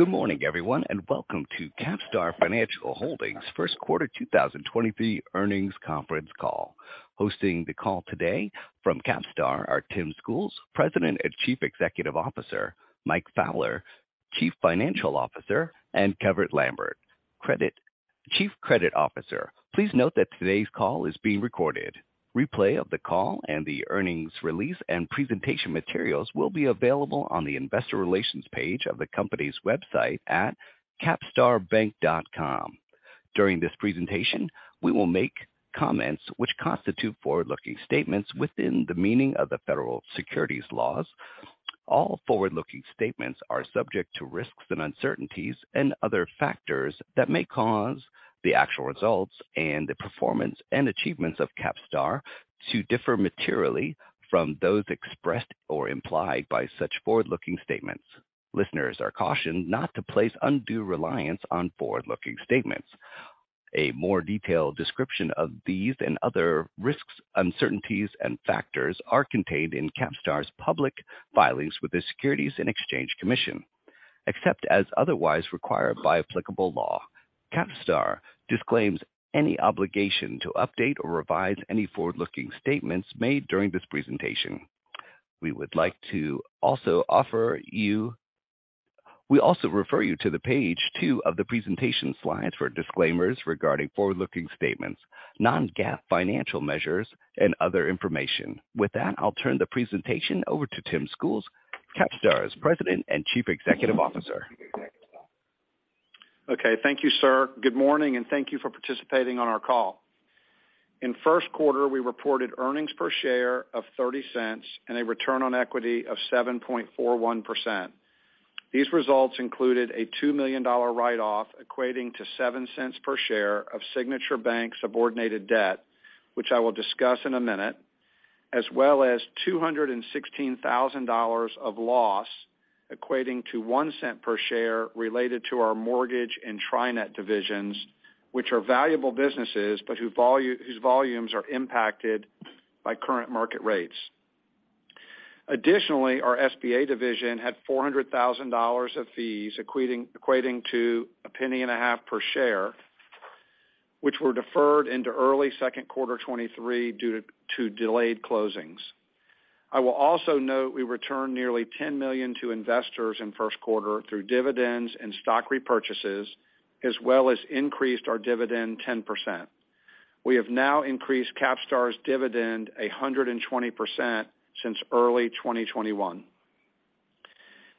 Good morning, everyone, and welcome to CapStar Financial Holdings' 1st quarter 2023 earnings conference call. Hosting the call today from CapStar are Tim Schools, President and Chief Executive Officer, Mike Fowler, Chief Financial Officer, and Kevin Lambert, Chief Credit Officer. Please note that today's call is being recorded. Replay of the call and the earnings release and presentation materials will be available on the investor relations page of the company's website at capstarbank.com. During this presentation, we will make comments which constitute forward-looking statements within the meaning of the federal securities laws. All forward-looking statements are subject to risks and uncertainties and other factors that may cause the actual results and the performance and achievements of CapStar to differ materially from those expressed or implied by such forward-looking statements. Listeners are cautioned not to place undue reliance on forward-looking statements. A more detailed description of these and other risks, uncertainties, and factors are contained in CapStar's public filings with the Securities and Exchange Commission. Except as otherwise required by applicable law, CapStar disclaims any obligation to update or revise any forward-looking statements made during this presentation. We also refer you to the page two of the presentation slides for disclaimers regarding forward-looking statements, non-GAAP financial measures, and other information. With that, I'll turn the presentation over to Tim Schools, CapStar's President and Chief Executive Officer. Okay. Thank you, sir. Good morning, and thank you for participating on our call. In first quarter, we reported earnings per share of $0.30 and a return on equity of 7.41%. These results included a $2 million write-off equating to $0.07 per share of Signature Bank subordinated debt, which I will discuss in a minute, as well as $216,000 of loss equating to $0.01 per share related to our mortgage and Tri-Net divisions, which are valuable businesses, but whose volumes are impacted by current market rates. Additionally, our SBA division had $400,000 of fees equating to $0.015 per share, which were deferred into early second quarter 2023 due to delayed closings. I will also note we returned nearly $10 million to investors in first quarter through dividends and stock repurchases, as well as increased our dividend 10%. We have now increased CapStar's dividend 120% since early 2021.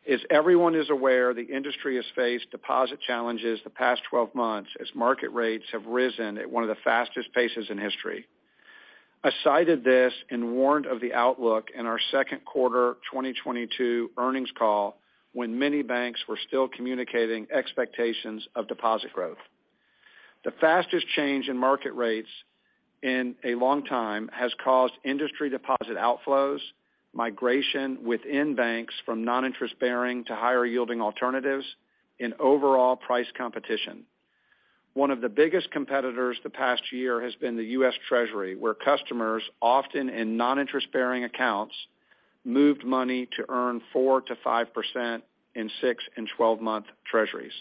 As everyone is aware, the industry has faced deposit challenges the past 12 months as market rates have risen at one of the fastest paces in history. I cited this and warned of the outlook in our second quarter 2022 earnings call when many banks were still communicating expectations of deposit growth. The fastest change in market rates in a long time has caused industry deposit outflows, migration within banks from non-interest-bearing to higher-yielding alternatives and overall price competition. One of the biggest competitors the past year has been the U.S. Treasury, where customers, often in non-interest-bearing accounts, moved money to earn 4%-5% in 6 and 12-month Treasuries.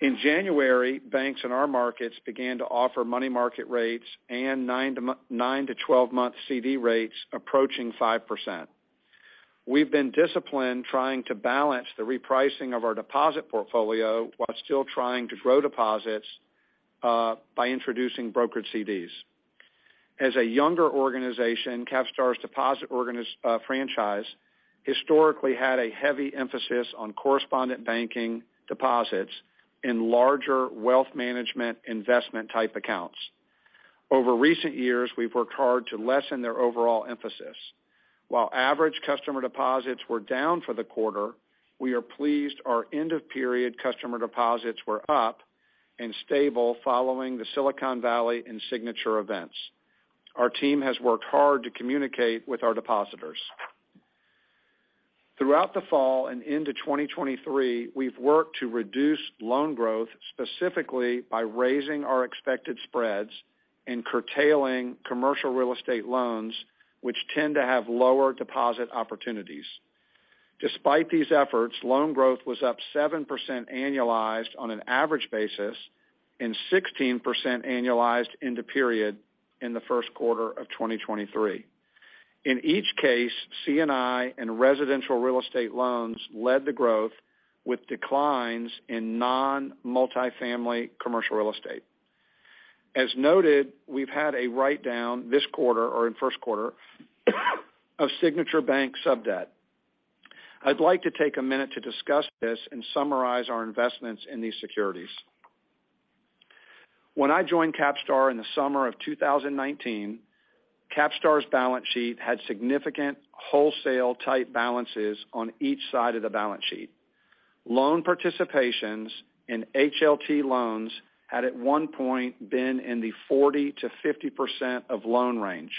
In January, banks in our markets began to offer money market rates and 9-12-month CD rates approaching 5%. We've been disciplined trying to balance the repricing of our deposit portfolio while still trying to grow deposits by introducing brokered CDs. As a younger organization, CapStar's deposit franchise historically had a heavy emphasis on correspondent banking deposits in larger wealth management investment-type accounts. Over recent years, we've worked hard to lessen their overall emphasis. While average customer deposits were down for the quarter, we are pleased our end-of-period customer deposits were up and stable following the Silicon Valley and Signature events. Our team has worked hard to communicate with our depositors. Throughout the fall and into 2023, we've worked to reduce loan growth, specifically by raising our expected spreads and curtailing commercial real estate loans, which tend to have lower deposit opportunities. Despite these efforts, loan growth was up 7% annualized on an average basis and 16% annualized into period in the first quarter of 2023. In each case, C&I and residential real estate loans led the growth with declines in non-multifamily commercial real estate. As noted, we've had a write-down this quarter or in first quarter of Signature Bank sub-debt. I'd like to take a minute to discuss this and summarize our investments in these securities. When I joined CapStar in the summer of 2019, CapStar's balance sheet had significant wholesale tight balances on each side of the balance sheet. Loan participations in HLT loans had at one point been in the 40%-50% of loan range,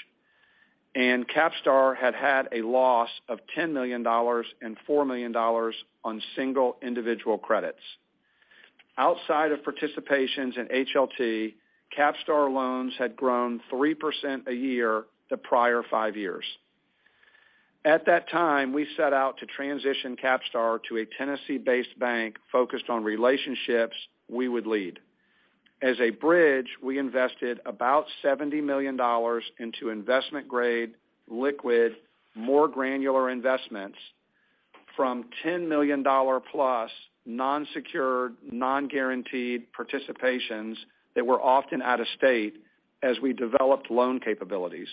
and CapStar had a loss of $10 million and $4 million on single individual credits. Outside of participations in HLT, CapStar loans had grown 3% a year the prior 5 years. At that time, we set out to transition CapStar to a Tennessee-based bank focused on relationships we would lead. As a bridge, we invested about $70 million into investment-grade liquid, more granular investments from $10 million+ non-secured, non-guaranteed participations that were often out of state as we developed loan capabilities.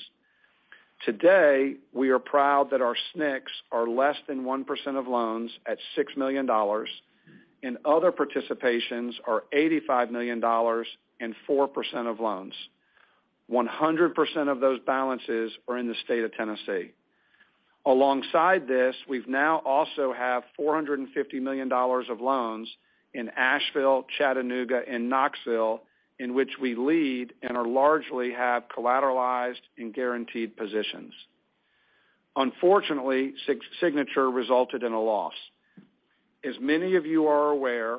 Today, we are proud that our SNCs are less than 1% of loans at $6 million, and other participations are $85 million and 4% of loans. 100% of those balances are in the state of Tennessee. Alongside this, we've now also have $450 million of loans in Asheville, Chattanooga and Knoxville in which we lead and are largely have collateralized and guaranteed positions. Unfortunately, Signature resulted in a loss. As many of you are aware,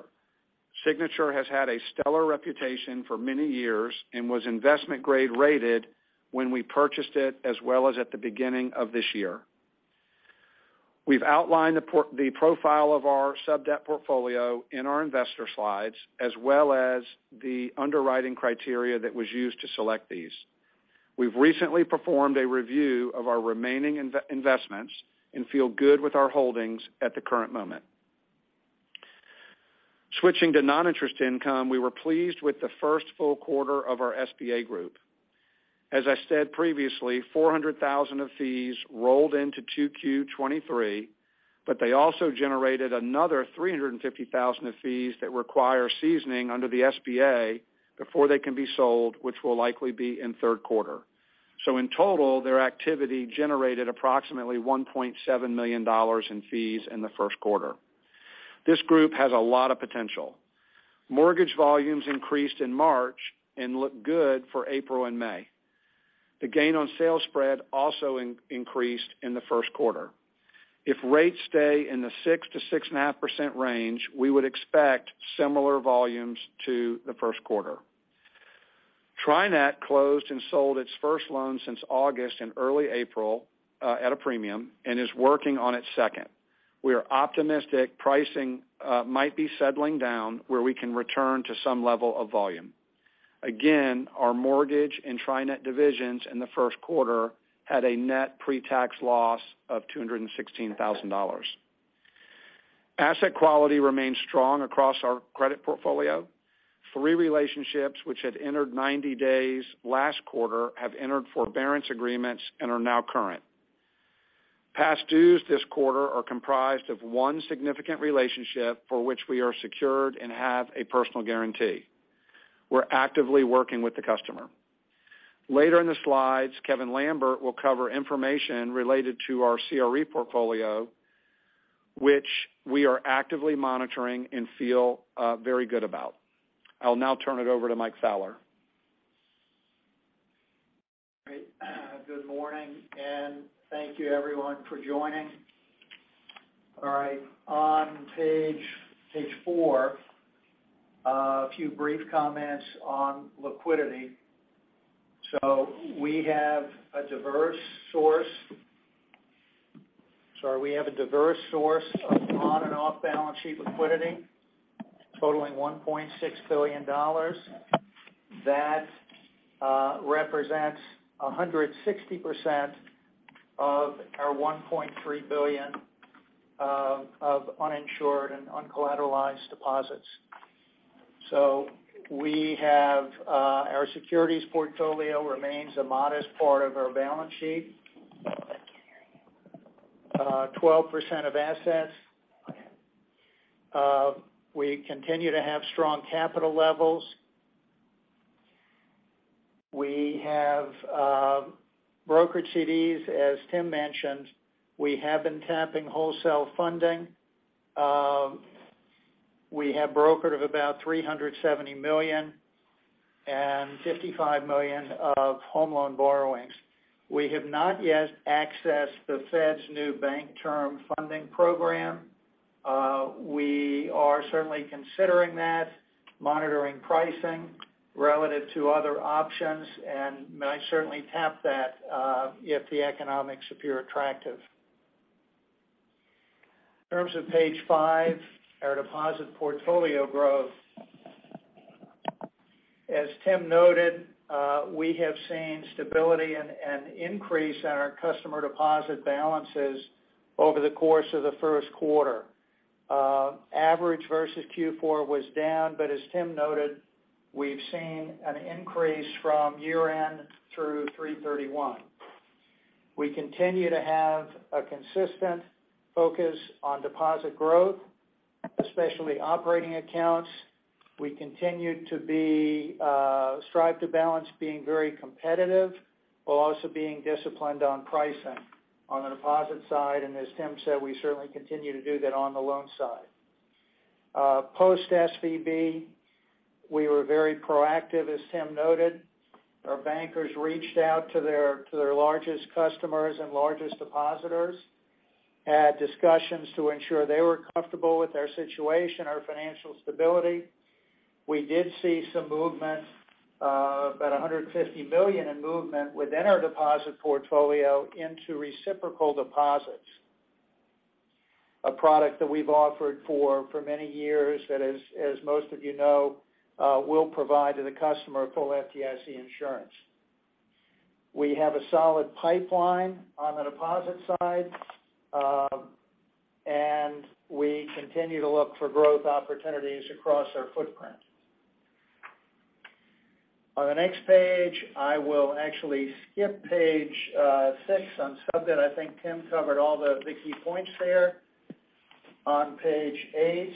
Signature has had a stellar reputation for many years and was investment grade rated when we purchased it as well as at the beginning of this year. We've outlined the profile of our sub-debt portfolio in our investor slides, as well as the underwriting criteria that was used to select these. We've recently performed a review of our remaining investments and feel good with our holdings at the current moment. Switching to non-interest income, we were pleased with the first full quarter of our SBA group. As I said previously, $400,000 of fees rolled into 2Q 2023. They also generated another $350,000 of fees that require seasoning under the SBA before they can be sold, which will likely be in third quarter. In total, their activity generated approximately $1.7 million in fees in the first quarter. This group has a lot of potential. Mortgage volumes increased in March and look good for April and May. The gain on sale spread also increased in the first quarter. If rates stay in the 6%-6.5% range, we would expect similar volumes to the first quarter. Tri-Net closed and sold its first loan since August in early April at a premium and is working on its second. We are optimistic pricing might be settling down where we can return to some level of volume. Again, our mortgage and Tri-Net divisions in the first quarter had a net pre-tax loss of $216,000. Asset quality remains strong across our credit portfolio. Three relationships which had entered 90 days last quarter have entered forbearance agreements and are now current. Past dues this quarter are comprised of one significant relationship for which we are secured and have a personal guarantee. We're actively working with the customer. Later in the slides, Kevin Lambert will cover information related to our CRE portfolio, which we are actively monitoring and feel very good about. I'll now turn it over to Mike Fowler. Great. Good morning, thank you everyone for joining. All right, on page four, a few brief comments on liquidity. So we have a diverse source of on and off balance sheet liquidity totaling $1.6 billion that represents 160% of our $1.3 billion of uninsured and uncollateralized deposits. We have our securities portfolio remains a modest part of our balance sheet, 12% of assets. We continue to have strong capital levels. We have brokered CDs. As Tim mentioned, we have been tapping wholesale funding. We have brokered of about $370 million and $55 million of home loan borrowings. We have not yet accessed the Fed's new Bank Term Funding Program. We are certainly considering that, monitoring pricing relative to other options, and may certainly tap that if the economics appear attractive. In terms of page five, our deposit portfolio growth. As Tim noted, we have seen stability and increase in our customer deposit balances over the course of the first quarter. Average versus Q4 was down, but as Tim noted, we've seen an increase from year-end through 3/31. We continue to have a consistent focus on deposit growth, especially operating accounts. We continue to be, strive to balance being very competitive while also being disciplined on pricing on the deposit side. As Tim said, we certainly continue to do that on the loan side. Post SVB, we were very proactive, as Tim noted. Our bankers reached out to their largest customers and largest depositors. Had discussions to ensure they were comfortable with our situation, our financial stability. We did see some movement, about $150 million in movement within our deposit portfolio into reciprocal deposits. A product that we've offered for many years that as most of you know, will provide to the customer full FDIC insurance. We have a solid pipeline on the deposit side, and we continue to look for growth opportunities across our footprint. On the next page, I will actually skip page six on sub-debt. I think Tim covered all the key points there. On page eight,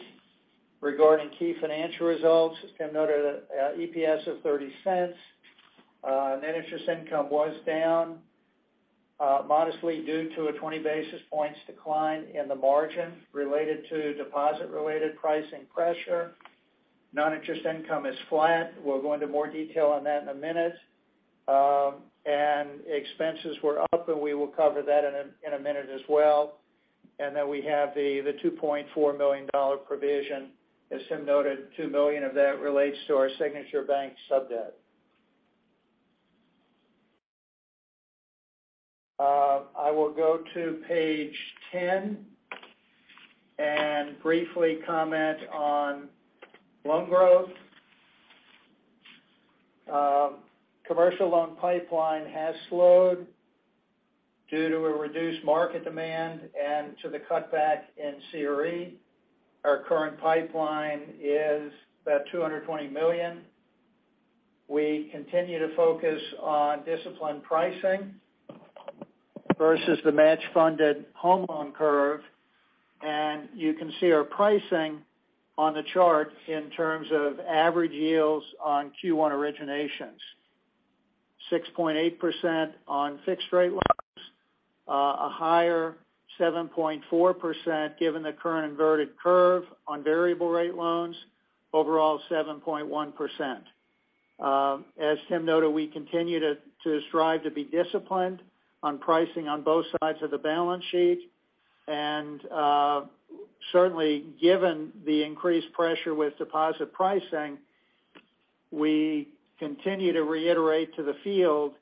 regarding key financial results, as Tim noted, EPS of $0.30. Net interest income was down, modestly due to a 20 basis points decline in the margin related to deposit-related pricing pressure. Non-interest income is flat. We'll go into more detail on that in a minute. Expenses were up, and we will cover that in a minute as well. We have the $2.4 million provision. As Tim noted, $2 million of that relates to our Signature Bank sub-debt. I will go to page 10 and briefly comment on loan growth. Commercial loan pipeline has slowed due to a reduced market demand and to the cutback in CRE. Our current pipeline is about $220 million. We continue to focus on disciplined pricing versus the match funded home loan curve. You can see our pricing on the chart in terms of average yields on Q1 originations. 6.8% on fixed rate loans, a higher 7.4% given the current inverted curve on variable rate loans. Overall, 7.1%. As Tim noted, we continue to strive to be disciplined on pricing on both sides of the balance sheet. Certainly given the increased pressure with deposit pricing, we continue to reiterate to the field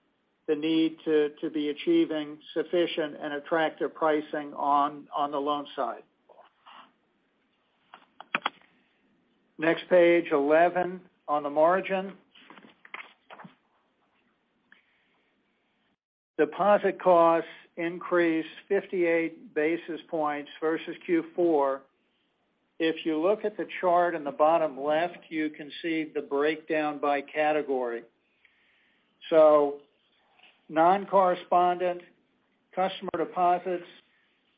the need to be achieving sufficient and attractive pricing on the loan side. Next, page 11. On the margin. Deposit costs increased 58 basis points versus Q4. If you look at the chart in the bottom left, you can see the breakdown by category. Non-correspondent customer deposits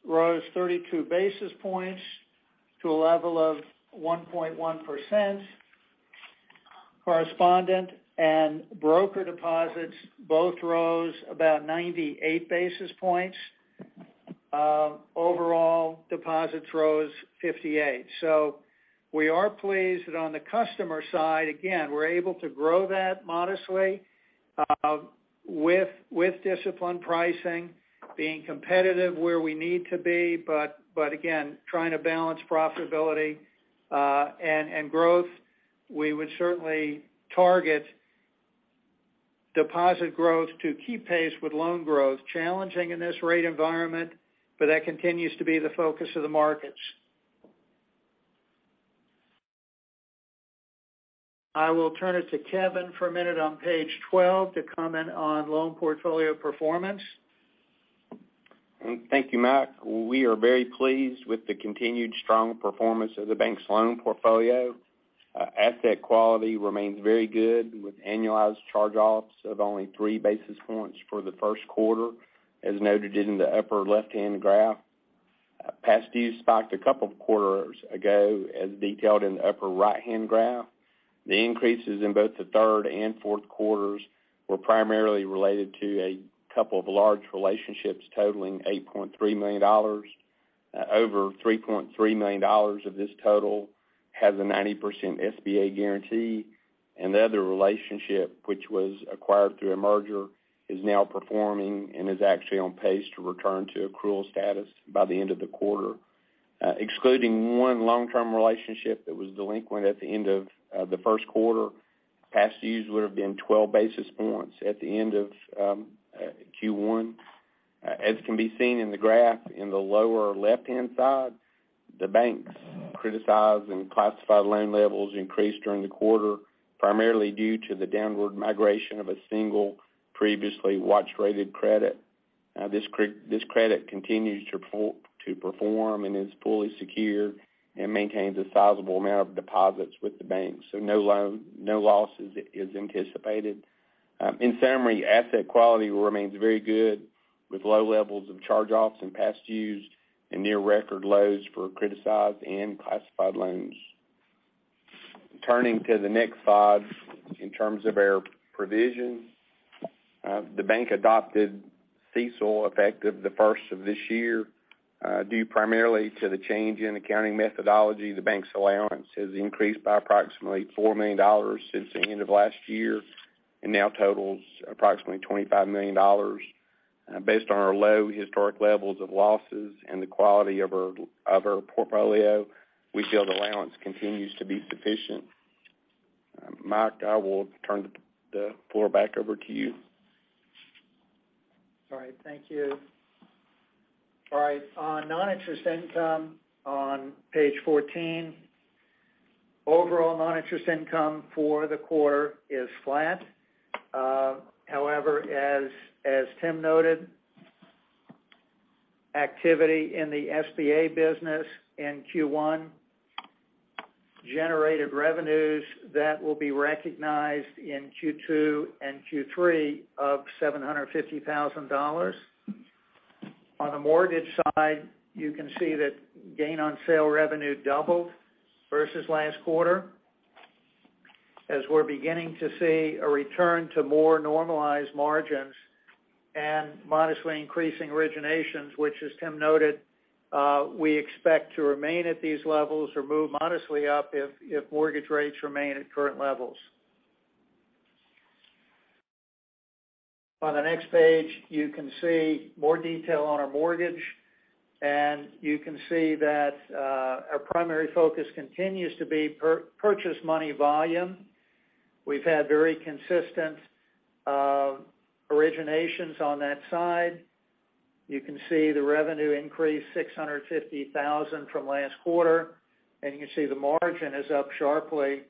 rose 32 basis points to a level of 1.1%. Correspondent and broker deposits both rose about 98 basis points. Overall deposits rose 58 basis points. We are pleased that on the customer side, again, we're able to grow that modestly, with disciplined pricing, being competitive where we need to be. Again, trying to balance profitability, and growth. We would certainly target deposit growth to keep pace with loan growth, challenging in this rate environment, but that continues to be the focus of the markets. I will turn it to Kevin for a minute on page 12 to comment on loan portfolio performance. Thank you, Mike. We are very pleased with the continued strong performance of the bank's loan portfolio. Asset quality remains very good with annualized charge-offs of only 3 basis points for the 1st quarter, as noted in the upper left-hand graph. Past due spiked a couple of quarters ago, as detailed in the upper right-hand graph. The increases in both the 3rd and 4th quarters were primarily related to a couple of large relationships totaling $8.3 million. Over $3.3 million of this total has a 90% SBA guarantee, and the other relationship, which was acquired through a merger, is now performing and is actually on pace to return to accrual status by the end of the quarter. Excluding one long-term relationship that was delinquent at the end of the first quarter, past dues would have been 12 basis points at the end of Q1. As can be seen in the graph in the lower left-hand side, the bank's criticized and classified loan levels increased during the quarter, primarily due to the downward migration of a single previously watch-rated credit. This credit continues to perform and is fully secured and maintains a sizable amount of deposits with the bank, so no loss is anticipated. In summary, asset quality remains very good with low levels of charge-offs and past dues and near record lows for criticized and classified loans. Turning to the next slide. In terms of our provision, the bank adopted CECL effective the first of this year. Due primarily to the change in accounting methodology, the bank's allowance has increased by approximately $4 million since the end of last year, and now totals approximately $25 million. Based on our low historic levels of losses and the quality of our portfolio, we feel the allowance continues to be sufficient. Mike, I will turn the floor back over to you. All right. Thank you. All right, on non-interest income on page 14, overall non-interest income for the quarter is flat. However, as Tim noted, activity in the SBA business in Q1 generated revenues that will be recognized in Q2 and Q3 of $750,000. On the mortgage side, you can see that gain on sale revenue doubled versus last quarter as we're beginning to see a return to more normalized margins and modestly increasing originations, which as Tim noted, we expect to remain at these levels or move modestly up if mortgage rates remain at current levels. On the next page, you can see more detail on our mortgage, and you can see that our primary focus continues to be purchase money volume. We've had very consistent originations on that side. You can see the revenue increased $650,000 from last quarter. You can see the margin is up sharply,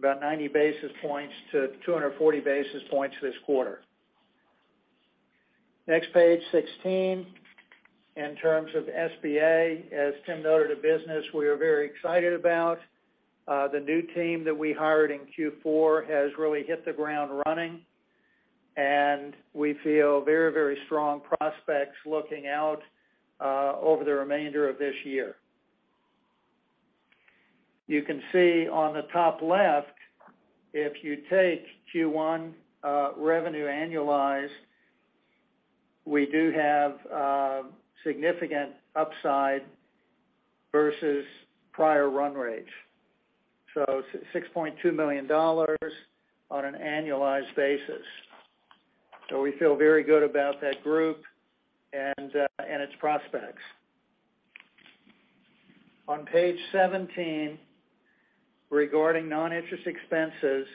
about 90 basis points to 240 basis points this quarter. Next page, 16. In terms of SBA, as Tim noted, a business we are very excited about. The new team that we hired in Q4 has really hit the ground running. We feel very strong prospects looking out over the remainder of this year. You can see on the top left, if you take Q1 revenue annualized, we do have significant upside versus prior run rate, $6.2 million on an annualized basis. We feel very good about that group and its prospects. On page 17, regarding non-interest expenses,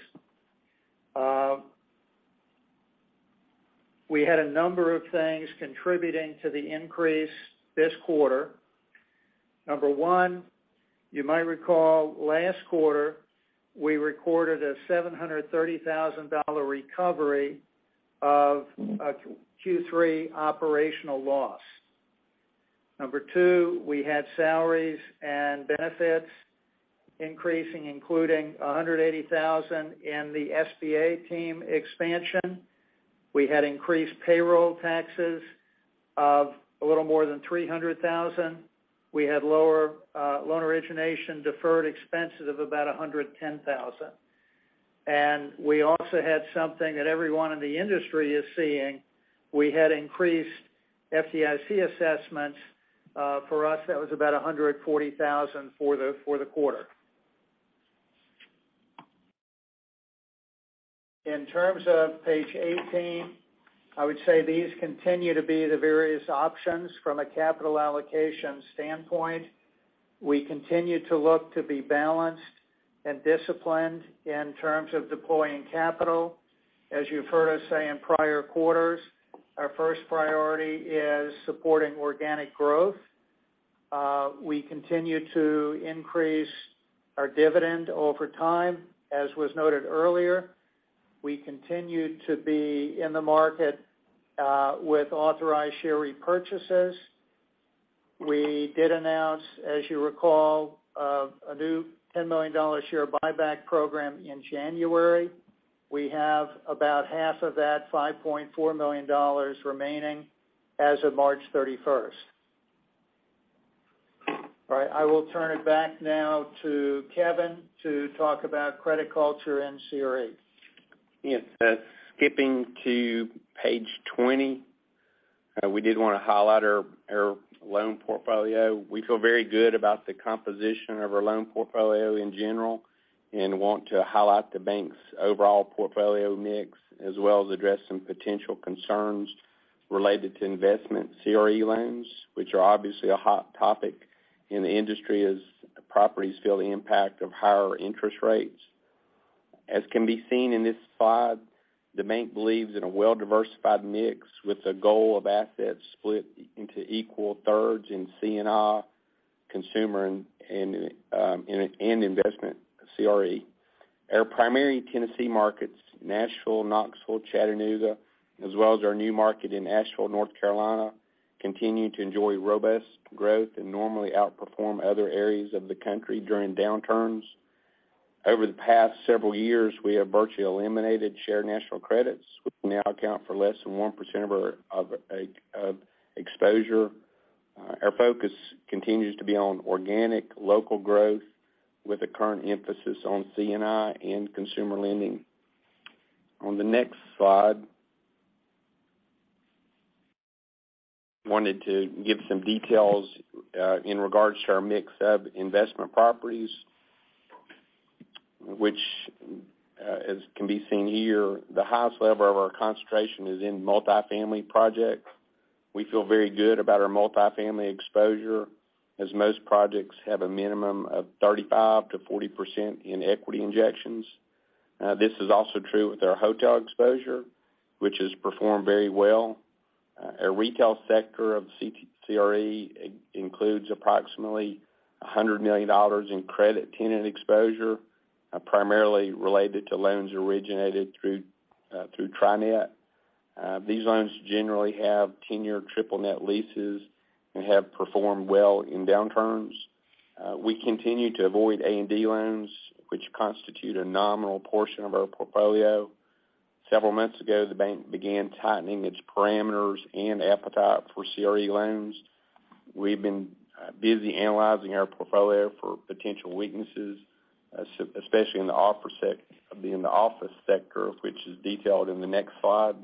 we had a number of things contributing to the increase this quarter. Number one, you might recall last quarter, we recorded a $730,000 recovery of a Q3 operational loss. Number two, we had salaries and benefits increasing, including $180,000 in the SBA team expansion. We had increased payroll taxes of a little more than $300,000. We had lower loan origination deferred expenses of about $110,000. We also had something that everyone in the industry is seeing. We had increased FDIC assessments, for us, that was about $140,000 for the quarter. In terms of page 18, I would say these continue to be the various options from a capital allocation standpoint. We continue to look to be balanced and disciplined in terms of deploying capital. As you've heard us say in prior quarters, our first priority is supporting organic growth. We continue to increase our dividend over time, as was noted earlier. We continue to be in the market with authorized share repurchases. We did announce, as you recall, a new $10 million share buyback program in January. We have about half of that $5.4 million remaining as of March 31st. All right, I will turn it back now to Kevin to talk about credit culture and CRE. Yes. Skipping to page 20, we did want to highlight our loan portfolio. We feel very good about the composition of our loan portfolio in general and want to highlight the bank's overall portfolio mix, as well as address some potential concerns related to investment CRE loans, which are obviously a hot topic in the industry as properties feel the impact of higher interest rates. As can be seen in this slide, the bank believes in a well-diversified mix with the goal of assets split into equal thirds in C&I, consumer and investment CRE. Our primary Tennessee markets, Nashville, Knoxville, Chattanooga, as well as our new market in Asheville, North Carolina, continue to enjoy robust growth and normally outperform other areas of the country during downturns. Over the past several years, we have virtually eliminated Shared National Credits, which now account for less than 1% of our exposure. Our focus continues to be on organic local growth with a current emphasis on C&I and consumer lending. On the next slide, wanted to give some details in regards to our mix of investment properties, which, as can be seen here, the highest level of our concentration is in multifamily projects. We feel very good about our multifamily exposure, as most projects have a minimum of 35%-40% in equity injections. This is also true with our hotel exposure, which has performed very well. Our retail sector of CRE includes approximately $100 million in credit tenant exposure, primarily related to loans originated through Tri-Net. These loans generally have 10-year triple net leases and have performed well in downturns. We continue to avoid A&D loans, which constitute a nominal portion of our portfolio. Several months ago, the bank began tightening its parameters and appetite for CRE loans. We've been busy analyzing our portfolio for potential weaknesses, especially in the office sector, which is detailed in the next slide.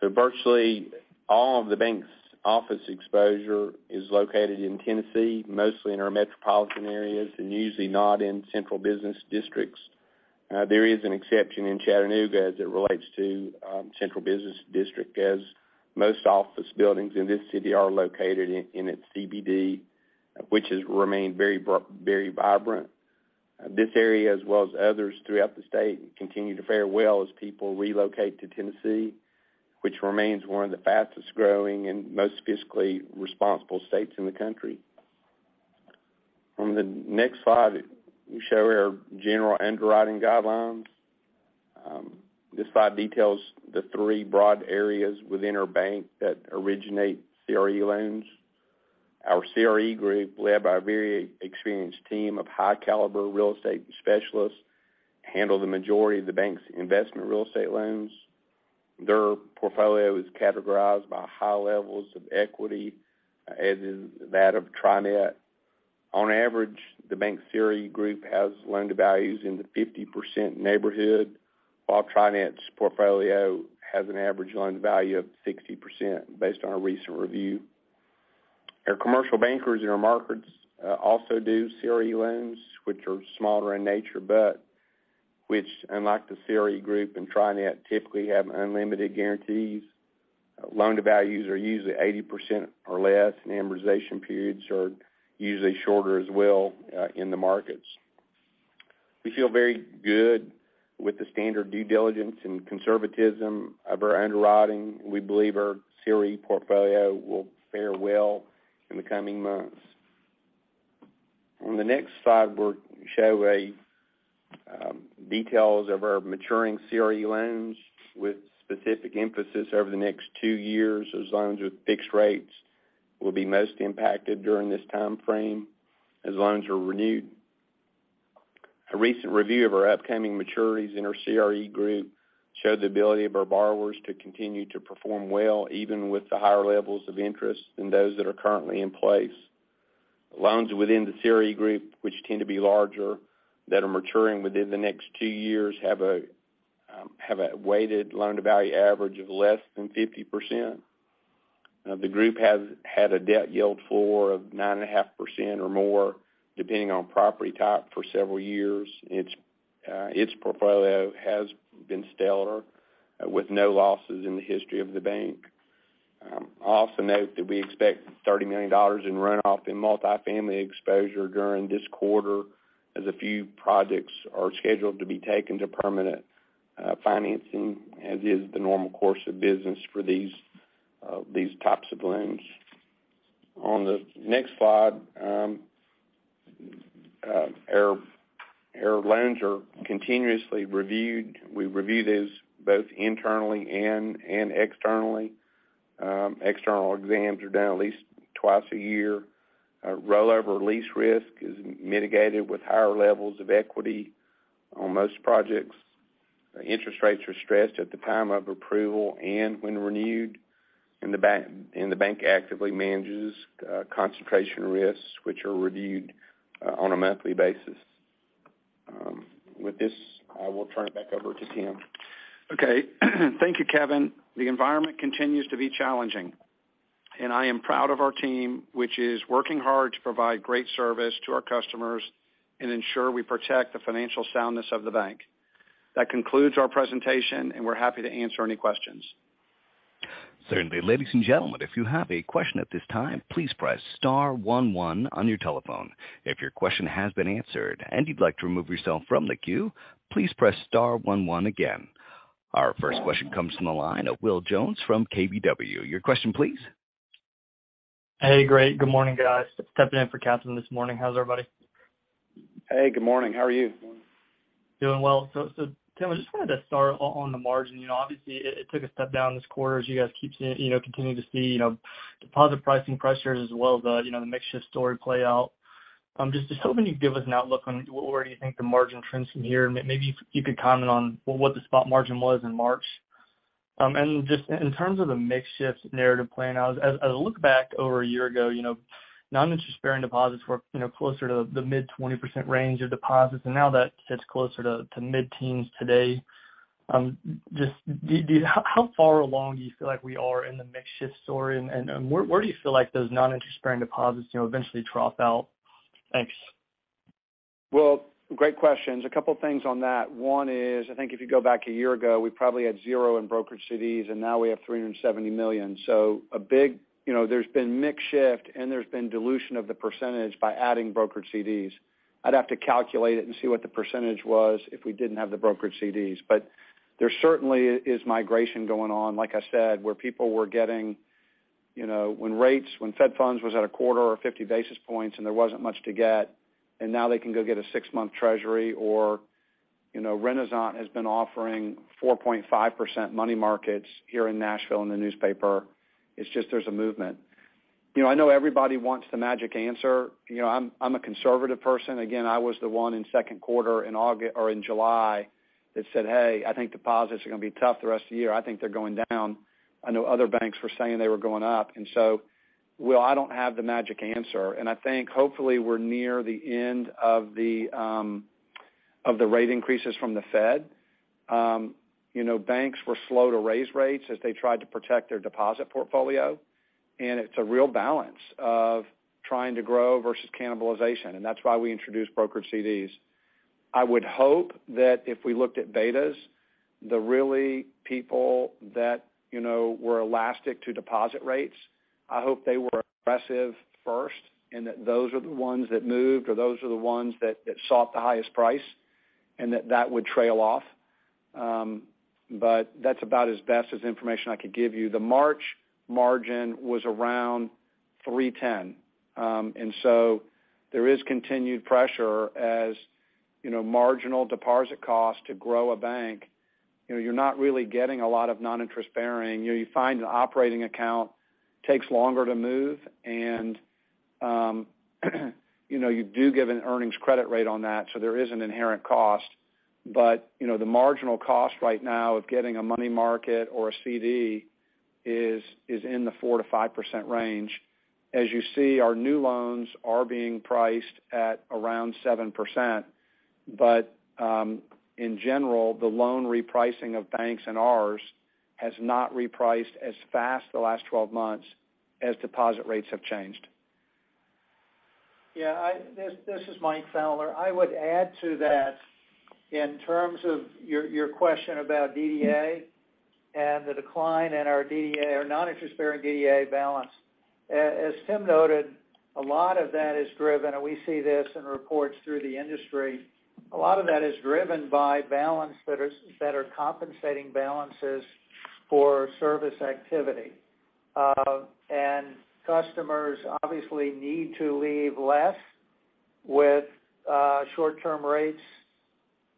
Virtually all of the bank's office exposure is located in Tennessee, mostly in our metropolitan areas and usually not in central business districts. There is an exception in Chattanooga as it relates to central business district, as most office buildings in this city are located in its CBD, which has remained very vibrant. This area, as well as others throughout the state, continue to fare well as people relocate to Tennessee, which remains one of the fastest-growing and most fiscally responsible states in the country. On the next slide, we show our general underwriting guidelines. This slide details the three broad areas within our bank that originate CRE loans. Our CRE group, led by a very experienced team of high-caliber real estate specialists, handle the majority of the bank's investment real estate loans. Their portfolio is categorized by high levels of equity, as is that of Tri-Net. On average, the bank's CRE group has loan-to-values in the 50% neighborhood, while Tri-Net's portfolio has an average loan-to-value of 60% based on our recent review. Our commercial bankers in our markets also do CRE loans, which are smaller in nature, but which, unlike the CRE group and Tri-Net, typically have unlimited guarantees. Loan-to-values are usually 80% or less. Amortization periods are usually shorter as well in the markets. We feel very good with the standard due diligence and conservatism of our underwriting. We believe our CRE portfolio will fare well in the coming months. On the next slide, we'll show a details of our maturing CRE loans with specific emphasis over the next two years as loans with fixed rates will be most impacted during this timeframe as loans are renewed. A recent review of our upcoming maturities in our CRE group showed the ability of our borrowers to continue to perform well, even with the higher levels of interest than those that are currently in place. Loans within the CRE group, which tend to be larger, that are maturing within the next two years have a weighted loan-to-value average of less than 50%. The group has had a debt yield floor of 9.5% or more, depending on property type, for several years. Its portfolio has been stellar, with no losses in the history of the bank. I'll also note that we expect $30 million in run-off in multifamily exposure during this quarter, as a few projects are scheduled to be taken to permanent financing as is the normal course of business for these types of loans. On the next slide, our loans are continuously reviewed. We review these both internally and externally. External exams are done at least twice a year. Rollover lease risk is mitigated with higher levels of equity on most projects. Interest rates are stretched at the time of approval and when renewed, and the bank actively manages concentration risks, which are reviewed on a monthly basis. With this, I will turn it back over to Tim. Okay. Thank you, Kevin. The environment continues to be challenging, and I am proud of our team, which is working hard to provide great service to our customers and ensure we protect the financial soundness of the bank. That concludes our presentation, and we're happy to answer any questions. Certainly. Ladies and gentlemen, if you have a question at this time, please press star one one on your telephone. If your question has been answered and you'd like to remove yourself from the queue, please press star one one again. Our first question comes from the line of Will Jones from KBW. Your question, please. Hey. Great. Good morning, guys. Stepping in for Catherine this morning. How's everybody? Hey, good morning. How are you? Doing well. Tim, I just wanted to start on the margin. You know, obviously it took a step down this quarter as you guys see, you know, continue to see, you know, deposit pricing pressures as well as the, you know, the mixture story play out. I'm just hoping you'd give us an outlook on where you think the margin trends from here. Maybe you could comment on what the spot margin was in March. Just in terms of the mix shift narrative playing out, as I look back over a year ago, you know, non-interest-bearing deposits were, you know, closer to the mid-20% range of deposits, and now that sits closer to mid-teens today. Just how far along do you feel like we are in the mix shift story, and where do you feel like those non-interest-bearing deposits, you know, eventually drop out? Thanks. Well, great questions. A couple things on that. One is, I think if you go back a year ago, we probably had zero in brokered CDs, and now we have $370 million. You know, there's been mix shift, and there's been dilution of the percentage by adding brokered CDs. I'd have to calculate it and see what the percentage was if we didn't have the brokered CDs. There certainly is migration going on, like I said, where people were getting, you know, when rates, when Fed Funds was at a quarter or 50 basis points and there wasn't much to get, and now they can go get a six-month Treasury or, you know, Renasant has been offering 4.5% money markets here in Nashville in the newspaper. It's just there's a movement. You know, I know everybody wants the magic answer. You know, I'm a conservative person. Again, I was the one in second quarter in July that said, "Hey, I think deposits are gonna be tough the rest of the year. I think they're going down." I know other banks were saying they were going up. Will, I don't have the magic answer. I think, hopefully, we're near the end of the rate increases from the Fed. You know, banks were slow to raise rates as they tried to protect their deposit portfolio, and it's a real balance of trying to grow versus cannibalization, and that's why we introduced brokered CDs. I would hope that if we looked at betas, the really people that, you know, were elastic to deposit rates, I hope they were aggressive first and that those are the ones that moved or those are the ones that sought the highest price, and that that would trail off. That's about as best as information I could give you. The March margin was around 3.10. So there is continued pressure as, you know, marginal deposit cost to grow a bank, you know, you're not really getting a lot of non-interest-bearing. You know, you find an operating account takes longer to move and you do give an earnings credit rate on that, so there is an inherent cost. You know, the marginal cost right now of getting a money market or a CD is in the 4%-5% range. As you see, our new loans are being priced at around 7%. In general, the loan repricing of banks and ours has not repriced as fast the last 12 months as deposit rates have changed. Yeah, this is Mike Fowler. I would add to that in terms of your question about DDA and the decline in our DDA or non-interest-bearing DDA balance. As Tim noted, a lot of that is driven, and we see this in reports through the industry, a lot of that is driven by balance that are compensating balances for service activity. Customers obviously need to leave less with short-term rates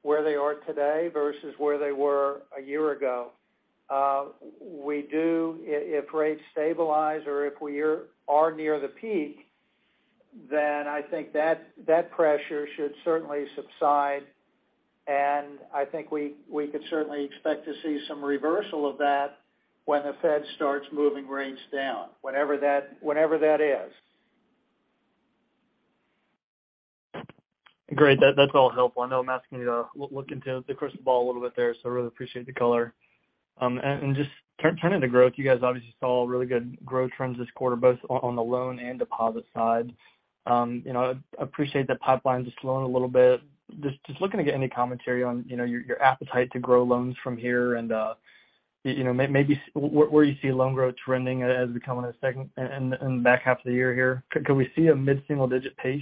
where they are today versus where they were a year ago. We do, if rates stabilize or if we are near the peak, I think that pressure should certainly subside, and I think we could certainly expect to see some reversal of that when the Fed starts moving rates down, whenever that is. Great. That's all helpful. I know I'm asking you to look into the crystal ball a little bit there, so really appreciate the color. Just turning to growth, you guys obviously saw really good growth trends this quarter, both on the loan and deposit side. You know, appreciate the pipeline just slowing a little bit. Just looking to get any commentary on, you know, your appetite to grow loans from here and, you know, maybe where you see loan growth trending as we come on to the back half of the year here. Could we see a mid-single-digit pace?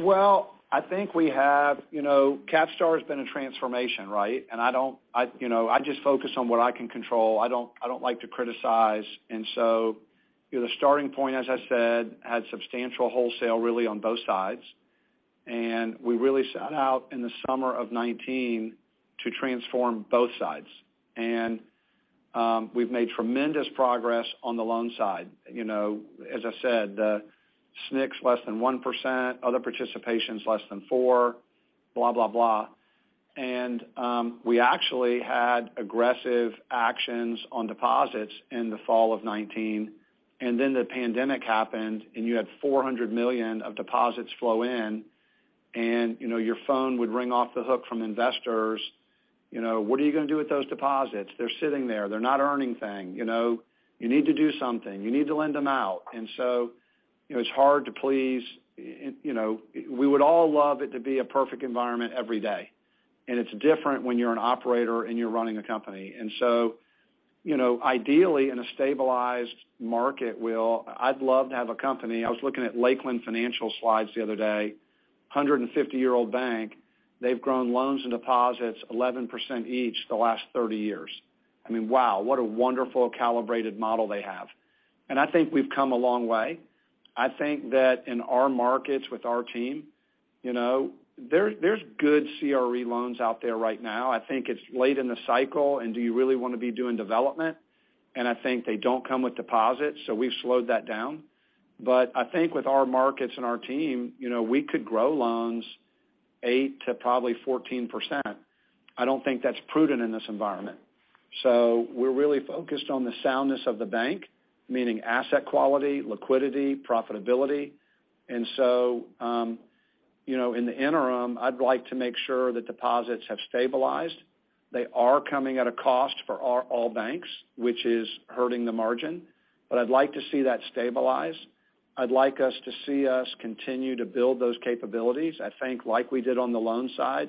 Well, I think we have. You know, CapStar has been a transformation, right? I just focus on what I can control. I don't like to criticize. You know, the starting point, as I said, had substantial wholesale really on both sides. We really set out in the summer of 2019 to transform both sides. We've made tremendous progress on the loan side. You know, as I said, the SNCs less than 1%, other participations less than 4%, blah, blah. We actually had aggressive actions on deposits in the fall of 2019, and then the pandemic happened, and you had $400 million of deposits flow in and, you know, your phone would ring off the hook from investors. You know, "What are you gonna do with those deposits? They're sitting there. They're not earning thing. You know, you need to do something. You need to lend them out." You know, it's hard to please. You know, we would all love it to be a perfect environment every day. It's different when you're an operator and you're running a company. You know, ideally, in a stabilized market, Will, I'd love to have a company, I was looking at Lakeland Financial slides the other day, 150-year-old bank. They've grown loans and deposits 11% each the last 30 years. I mean, wow, what a wonderful calibrated model they have. I think we've come a long way. I think that in our markets with our team, you know, there's good CRE loans out there right now. I think it's late in the cycle, do you really wanna be doing development? I think they don't come with deposits. We've slowed that down. I think with our markets and our team, you know, we could grow loans 8%-14%. I don't think that's prudent in this environment. We're really focused on the soundness of the bank, meaning asset quality, liquidity, profitability. In the interim, I'd like to make sure that deposits have stabilized. They are coming at a cost for our all banks, which is hurting the margin. I'd like to see that stabilize. I'd like us to see us continue to build those capabilities. I think like we did on the loan side,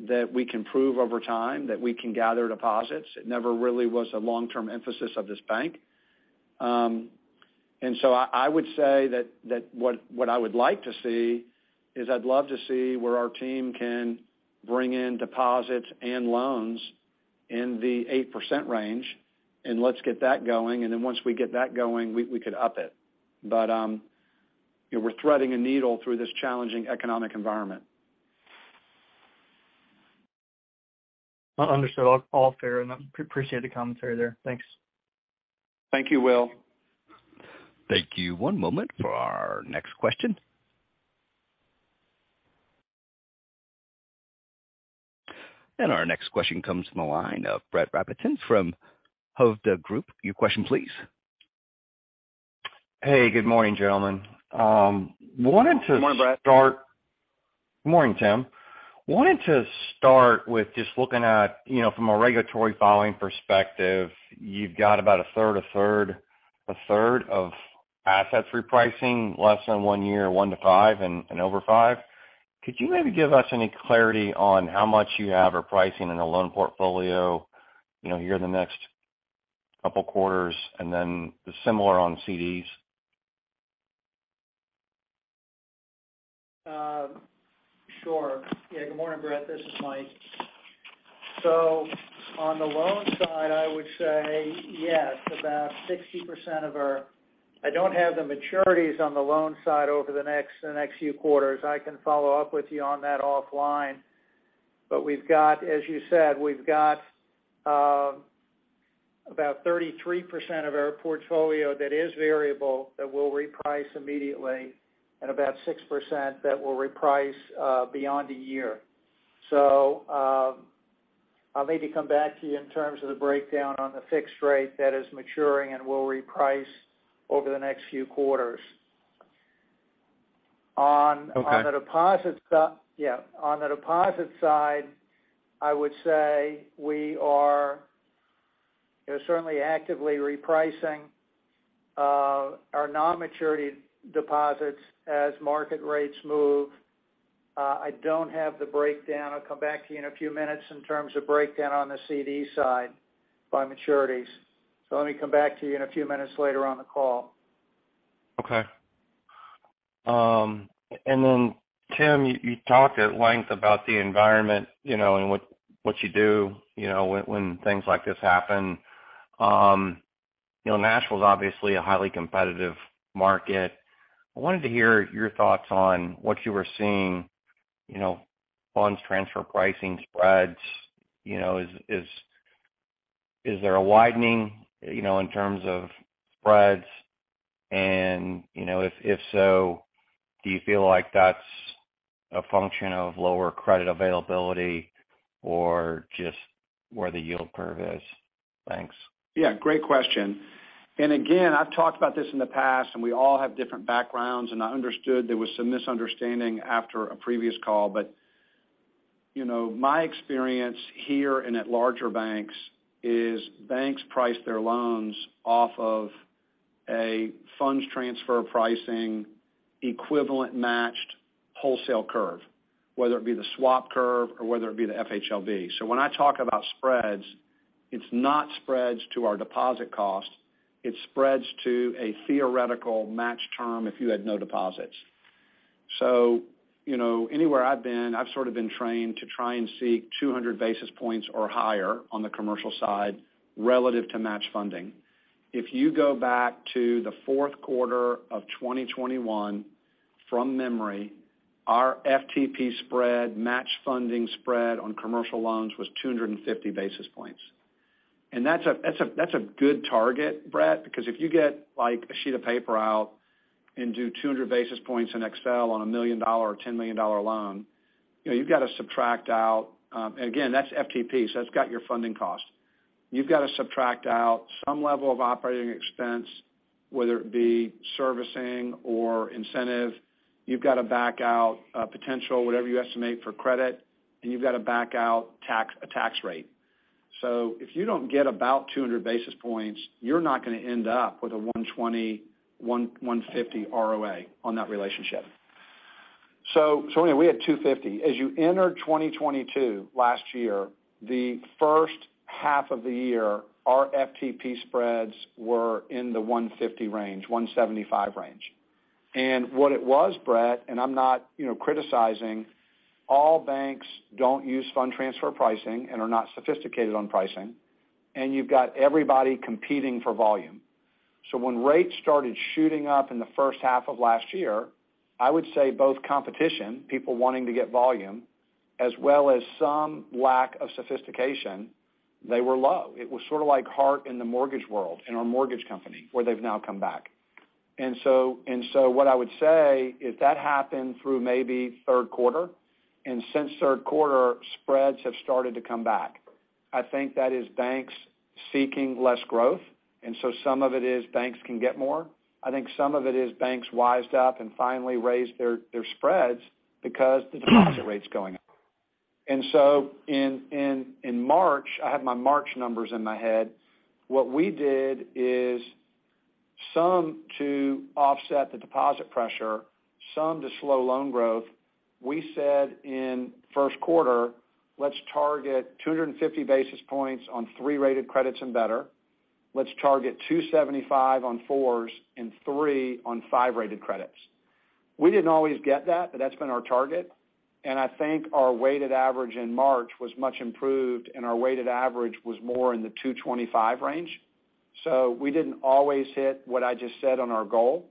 that we can prove over time that we can gather deposits. It never really was a long-term emphasis of this bank. I would say that what I would like to see is I'd love to see where our team can bring in deposits and loans in the 8% range, and let's get that going. Once we get that going, we could up it. You know, we're threading a needle through this challenging economic environment. Understood. All fair, and I appreciate the commentary there. Thanks. Thank you, Will. Thank you. One moment for our next question. Our next question comes from the line of Brett Rabatin from Hovde Group. Your question please. Hey, good morning, gentlemen. Good morning, Brett. Good morning, Tim. Wanted to start with just looking at, you know, from a regulatory filing perspective, you've got about a third, a third, a third of asset repricing less than one year, one to five and over five. Could you maybe give us any clarity on how much you have or pricing in a loan portfolio, you know, here in the next couple quarters, and then the similar on CDs? Sure. Yeah, good morning, Brett. This is Mike. On the loan side, I would say yes, about 60% of ou, I don't have the maturities on the loan side over the next few quarters. I can follow up with you on that offline. We've got, as you said, we've got about 33% of our portfolio that is variable that will reprice immediately and about 6% that will reprice beyond a year. I'll maybe come back to you in terms of the breakdown on the fixed rate that is maturing and will reprice over the next few quarters. Yeah, on the deposit side, I would say we are, you know, certainly actively repricing our non-maturity deposits as market rates move. I don't have the breakdown. I'll come back to you in a few minutes in terms of breakdown on the CD side by maturities. Let me come back to you in a few minutes later on the call. Okay. Then Tim, you talked at length about the environment, you know, what you do, you know, when things like this happen. You know, Nashville's obviously a highly competitive market. I wanted to hear your thoughts on what you were seeing, you know, funds transfer pricing spreads. You know, is there a widening, you know, in terms of spreads? You know, if so, do you feel like that's a function of lower credit availability or just where the yield curve is? Thanks. Great question. Again, I've talked about this in the past, and we all have different backgrounds, and I understood there was some misunderstanding after a previous call. You know, my experience here and at larger banks is banks price their loans off of a funds transfer pricing equivalent matched wholesale curve, whether it be the swap curve or whether it be the FHLB. When I talk about spreads, it's not spreads to our deposit cost, it's spreads to a theoretical match term if you had no deposits. You know, anywhere I've sort of been trained to try and seek 200 basis points or higher on the commercial side relative to match funding. If you go back to the fourth quarter of 2021, from memory, our FTP spread, match funding spread on commercial loans was 250 basis points. That's a good target, Brett, because if you get like a sheet of paper out and do 200 basis points in Excel on a $1 million or $10 million loan, you know, you've got to subtract out. Again, that's FTP, so that's got your funding cost. You've got to subtract out some level of operating expense, whether it be servicing or incentive. You've got to back out potential, whatever you estimate for credit, and you've got to back out tax, a tax rate. If you don't get about 200 basis points, you're not gonna end up with a 120, 150 ROA on that relationship. Anyway, we had 250. As you enter 2022 last year, the first half of the year, our FTP spreads were in the 150 range, 175 range. What it was, Brett, and I'm not, you know, criticizing. All banks don't use fund transfer pricing and are not sophisticated on pricing. You've got everybody competing for volume. So when rates started shooting up in the first half of last year, I would say both competition, people wanting to get volume, as well as some lack of sophistication, they were low. It was sort of like heart in the mortgage world, in our mortgage company, where they've now come back. So what I would say, if that happened through maybe third quarter, and since third quarter, spreads have started to come back. I think that is banks seeking less growth, and so some of it is banks can get more. I think some of it is banks wised up and finally raised their spreads because the deposit rate's going up. In March, I have my March numbers in my head. What we did is some to offset the deposit pressure, some to slow loan growth. We said in first quarter, let's target 250 basis points on 3 rated credits and better. Let's target 275 on 4s and 3 on 5-rated credits. We didn't always get that, but that's been our target. I think our weighted average in March was much improved, and our weighted average was more in the 225 range. We didn't always hit what I just said on our goal,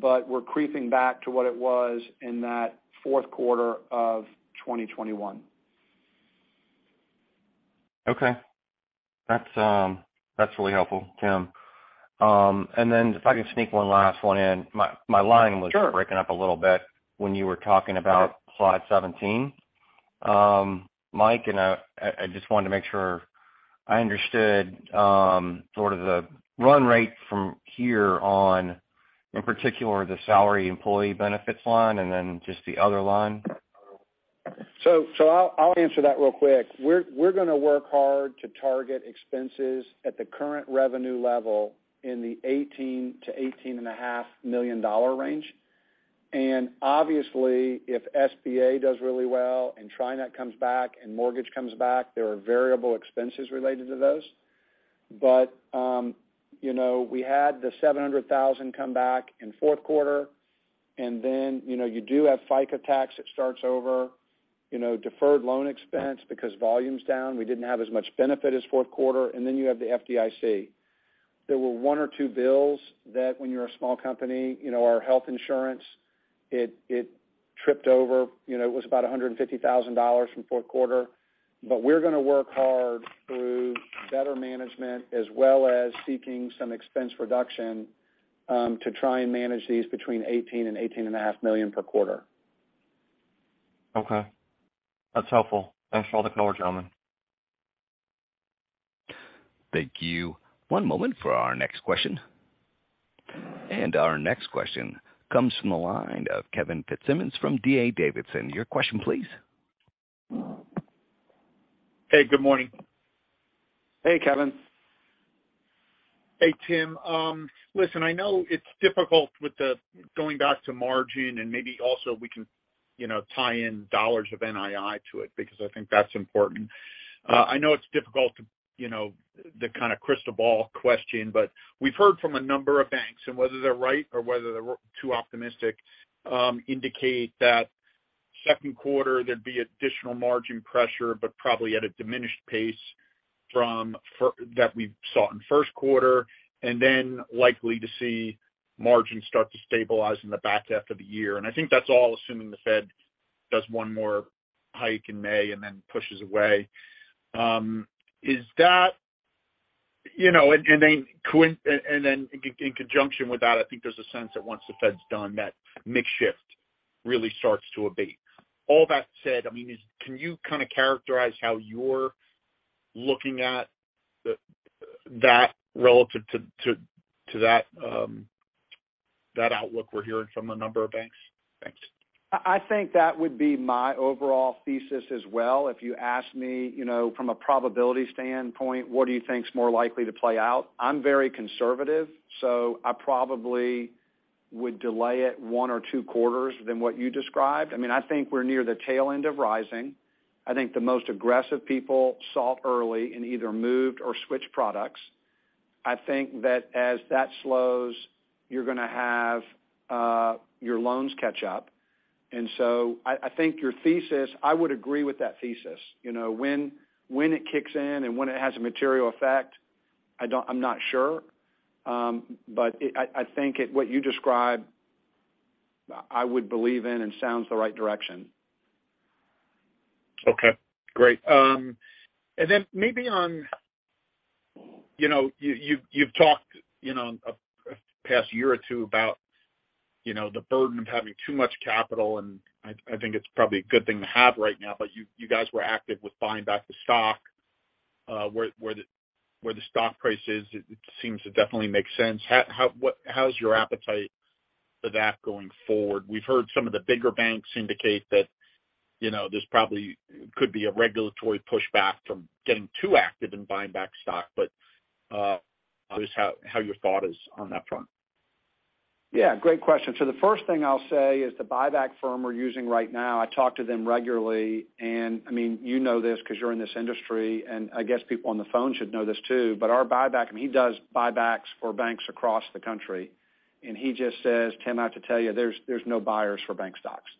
but we're creeping back to what it was in that fourth quarter of 2021. Okay. That's really helpful, Tim. Then if I can sneak one last one in. My line. Sure. reaking up a little bit when you were talking about slide 17. Mike and I just wanted to make sure I understood, sort of the run rate from here on, in particular, the salary employee benefits line and then just the other line. I'll answer that real quick. We're gonna work hard to target expenses at the current revenue level in the $18 million-$18.5 million range. Obviously, if SBA does really well and Tri-Net comes back and mortgage comes back, there are variable expenses related to those. You know, we had the $700,000 come back in fourth quarter. You know, you do have FICA tax that starts over, you know, deferred loan expense because volume's down. We didn't have as much benefit as fourth quarter. You have the FDIC. There were one or two bills that when you're a small company, you know, our health insurance, it tripped over. You know, it was about $150 from fourth quarter. We're gonna work hard through better management as well as seeking some expense reduction, to try and manage these between $18 million and eighteen and a half million dollars per quarter. Okay. That's helpful. Thanks for all the color, gentlemen. Thank you. One moment for our next question. Our next question comes from the line of Kevin Fitzsimmons from D.A. Davidson. Your question, please. Hey, good morning. Hey, Kevin. Tim. Listen, I know it's difficult with the going back to margin and maybe also we can, you know, tie in dollars of NII to it because I think that's important. I know it's difficult to, you know, the kind of crystal ball question, but we've heard from a number of banks, and whether they're right or whether they're too optimistic, indicate that second quarter there'd be additional margin pressure, but probably at a diminished pace from that we saw in first quarter. Likely to see margins start to stabilize in the back half of the year. I think that's all assuming the Fed does one more hike in May and then pushes away. Is that, you know, in conjunction with that, I think there's a sense that once the Fed's done, that mix shift really starts to abate. All that said, I mean, is, can you kind of characterize how you're looking at the, that relative to that outlook we're hearing from a number of banks? Thanks. I think that would be my overall thesis as well. If you ask me, you know, from a probability standpoint, what do you think is more likely to play out? I'm very conservative, so I probably would delay it one or two quarters than what you described. I mean, I think we're near the tail end of rising. I think the most aggressive people sought early and either moved or switched products. I think that as that slows, you're gonna have your loans catch up. I think your thesis, I would agree with that thesis. You know, when it kicks in and when it has a material effect, I don't, I'm not sure. I think it, what you describe, I would believe in and sounds the right direction. Okay, great. Maybe on, you know, you've talked, you know, a past year or two about, you know, the burden of having too much capital, and I think it's probably a good thing to have right now, you guys were active with buying back the stock, where the stock price is, it seems to definitely make sense. How's your appetite for that going forward? We've heard some of the bigger banks indicate that, you know, there's probably could be a regulatory pushback from getting too active in buying back stock. Just how your thought is on that front. Yeah, great question. The first thing I'll say is the buyback firm we're using right now, I talk to them regularly, and I mean, you know this 'cause you're in this industry, and I guess people on the phone should know this too, but our buyback, I mean, he does buybacks for banks across the country. He just says, "Tim, I have to tell you, there's no buyers for bank stocks."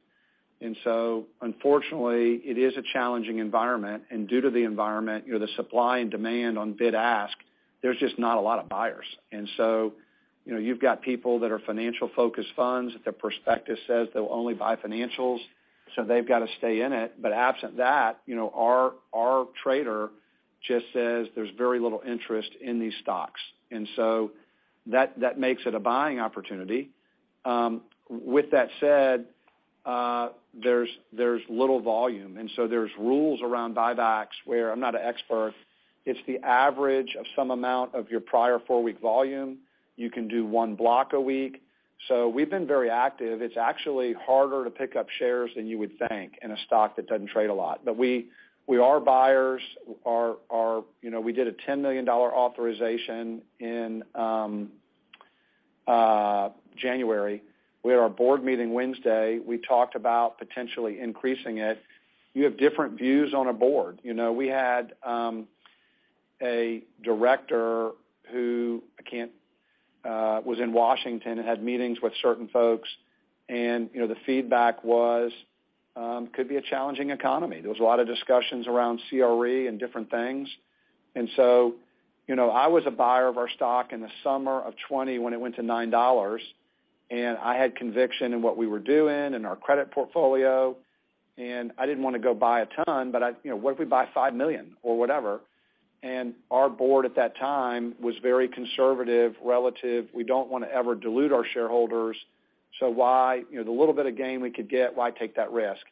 Unfortunately, it is a challenging environment. Due to the environment, you know, the supply and demand on bid-ask, there's just not a lot of buyers. You've got people that are financial-focused funds. Their prospectus says they'll only buy financials, so they've got to stay in it. Absent that, you know, our trader just says there's very little interest in these stocks. That makes it a buying opportunity. With that said, there's little volume. There's rules around buybacks where I'm not an expert. It's the average of some amount of your prior four-week volume. You can do one block a week. We've been very active. It's actually harder to pick up shares than you would think in a stock that doesn't trade a lot. We are buyers. You know, we did a $10 million authorization in January. We had our board meeting Wednesday. We talked about potentially increasing it. You have different views on a board. You know, we had a director who, I can't, was in Washington and had meetings with certain folks. You know, the feedback was, could be a challenging economy. There was a lot of discussions around CRE and different things. You know, I was a buyer of our stock in the summer of 2020 when it went to $9, and I had conviction in what we were doing in our credit portfolio, and I didn't want to go buy a ton, but you know, what if we buy $5 million or whatever? Our board at that time was very conservative relative. We don't want to ever dilute our shareholders, so why, you know, the little bit of gain we could get, why take that risk?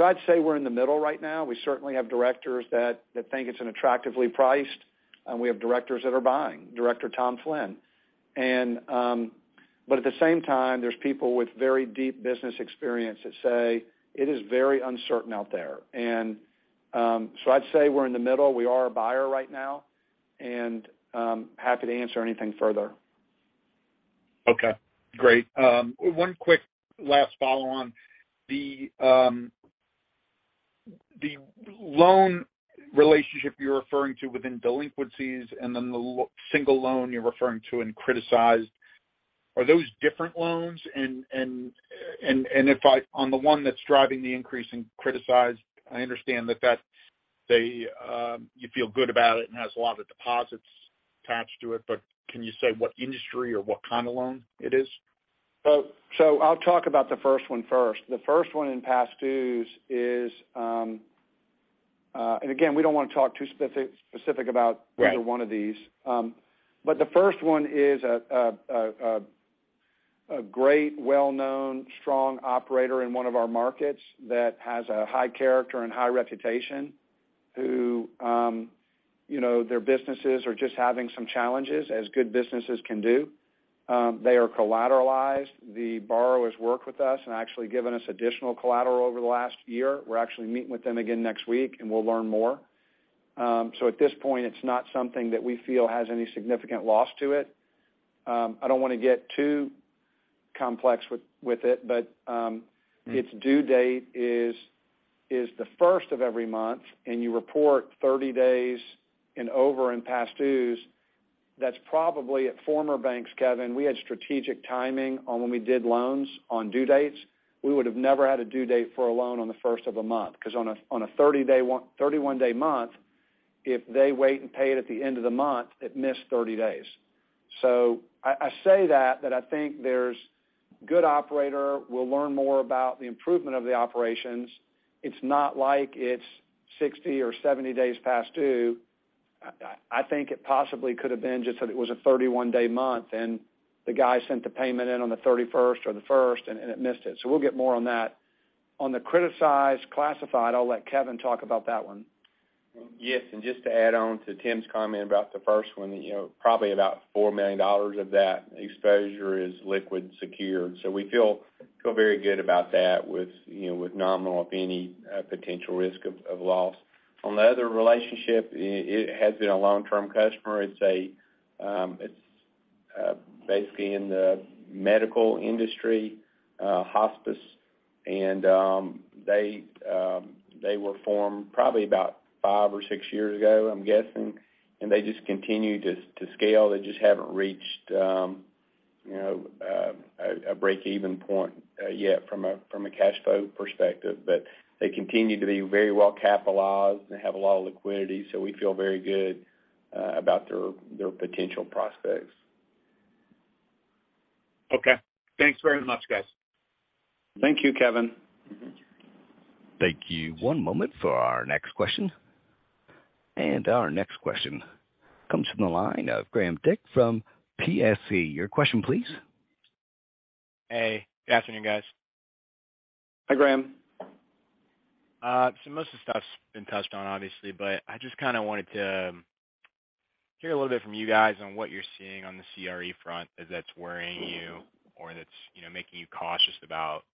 I'd say we're in the middle right now. We certainly have directors that think it's an attractively priced, and we have directors that are buying, Director Tom Flynn. But at the same time, there's people with very deep business experience that say it is very uncertain out there. I'd say we're in the middle. We are a buyer right now, and happy to answer anything further. Okay, great. One quick last follow-on. The loan relationship you're referring to within delinquencies and then the single loan you're referring to in criticized, are those different loans? If I on the one that's driving the increase in criticized, I understand that they, you feel good about it and has a lot of deposits attached to it, but can you say what industry or what kind of loan it is? I'll talk about the first one first. The first one in past dues is. Again, we don't want to talk too specific about either one of these. The first one is a great, well-known, strong operator in one of our markets that has a high character and high reputation who, you know, their businesses are just having some challenges as good businesses can do. They are collateralized. The borrowers work with us and actually given us additional collateral over the last year. We're actually meeting with them again next week, and we'll learn more. At this point, it's not something that we feel has any significant loss to it. I don't wanna get too complex with it, but its due date is the first of every month, and you report 30 days and over in past dues. That's probably at former banks, Kevin. We had strategic timing on when we did loans on due dates. We would have never had a due date for a loan on the 1st of a month, 'cause on a 31-day month, if they wait and pay it at the end of the month, it missed 30 days. I say that I think there's good operator. We'll learn more about the improvement of the operations. It's not like it's 60 or 70 days past due. I think it possibly could have been just that it was a 31-day month, and the guy sent the payment in on the 31st or the 1st, and it missed it. We'll get more on that. On the criticized classified, I'll let Kevin talk about that one. Just to add on to Tim's comment about the first one, you know, probably about $4 million of that exposure is liquid secured. We feel very good about that with, you know, with nominal, if any, potential risk of loss. On the other relationship, it has been a long-term customer. It's a, it's basically in the medical industry, hospice, and they were formed probably about five or six years ago, I'm guessing. They just continue to scale. They just haven't reached, you know, a break-even point yet from a cash flow perspective. They continue to be very well capitalized and have a lot of liquidity. We feel very good about their potential prospects. Okay. Thanks very much, guys. Thank you, Kevin. Thank you. One moment for our next question. Our next question comes from the line of Graham Dick from PSC. Your question, please. Hey, good afternoon, guys. Hi, Graham. Most of the stuff's been touched on, obviously, but I just kinda wanted to hear a little bit from you guys on what you're seeing on the CRE front that's worrying you or that's, you know, making you cautious about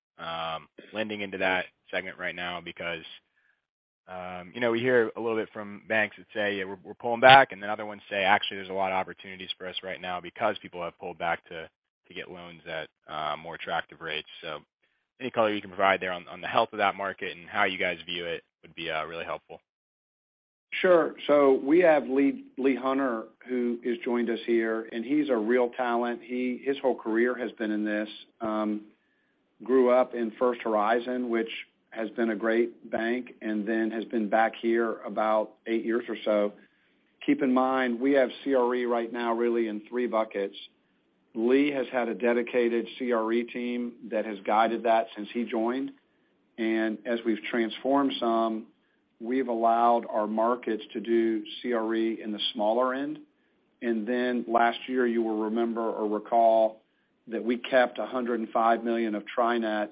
lending into that segment right now. You know, we hear a little bit from banks that say, "We're, we're pulling back," and then other ones say, "Actually, there's a lot of opportunities for us right now because people have pulled back to get loans at more attractive rates." Any color you can provide there on the health of that market and how you guys view it would be really helpful. We have Lee Hunter, who has joined us here, and he's a real talent. His whole career has been in this. Grew up in First Horizon, which has been a great bank and then has been back here about eight years or so. Keep in mind, we have CRE right now really in three buckets. Lee has had a dedicated CRE team that has guided that since he joined. As we've transformed some, we've allowed our markets to do CRE in the smaller end. Last year, you will remember or recall that we kept $105 million of Tri-Net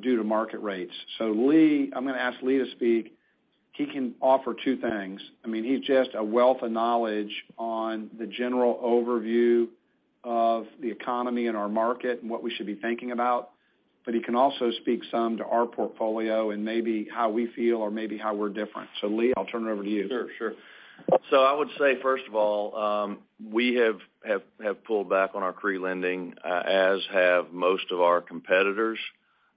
due to market rates. Lee, I'm gonna ask Lee to speak. He can offer two things. I mean, he's just a wealth of knowledge on the general overview of the economy and our market and what we should be thinking about. He can also speak some to our portfolio and maybe how we feel or maybe how we're different. Lee, I'll turn it over to you. Sure, sure. I would say, first of all, we have pulled back on our CRE lending, as have most of our competitors.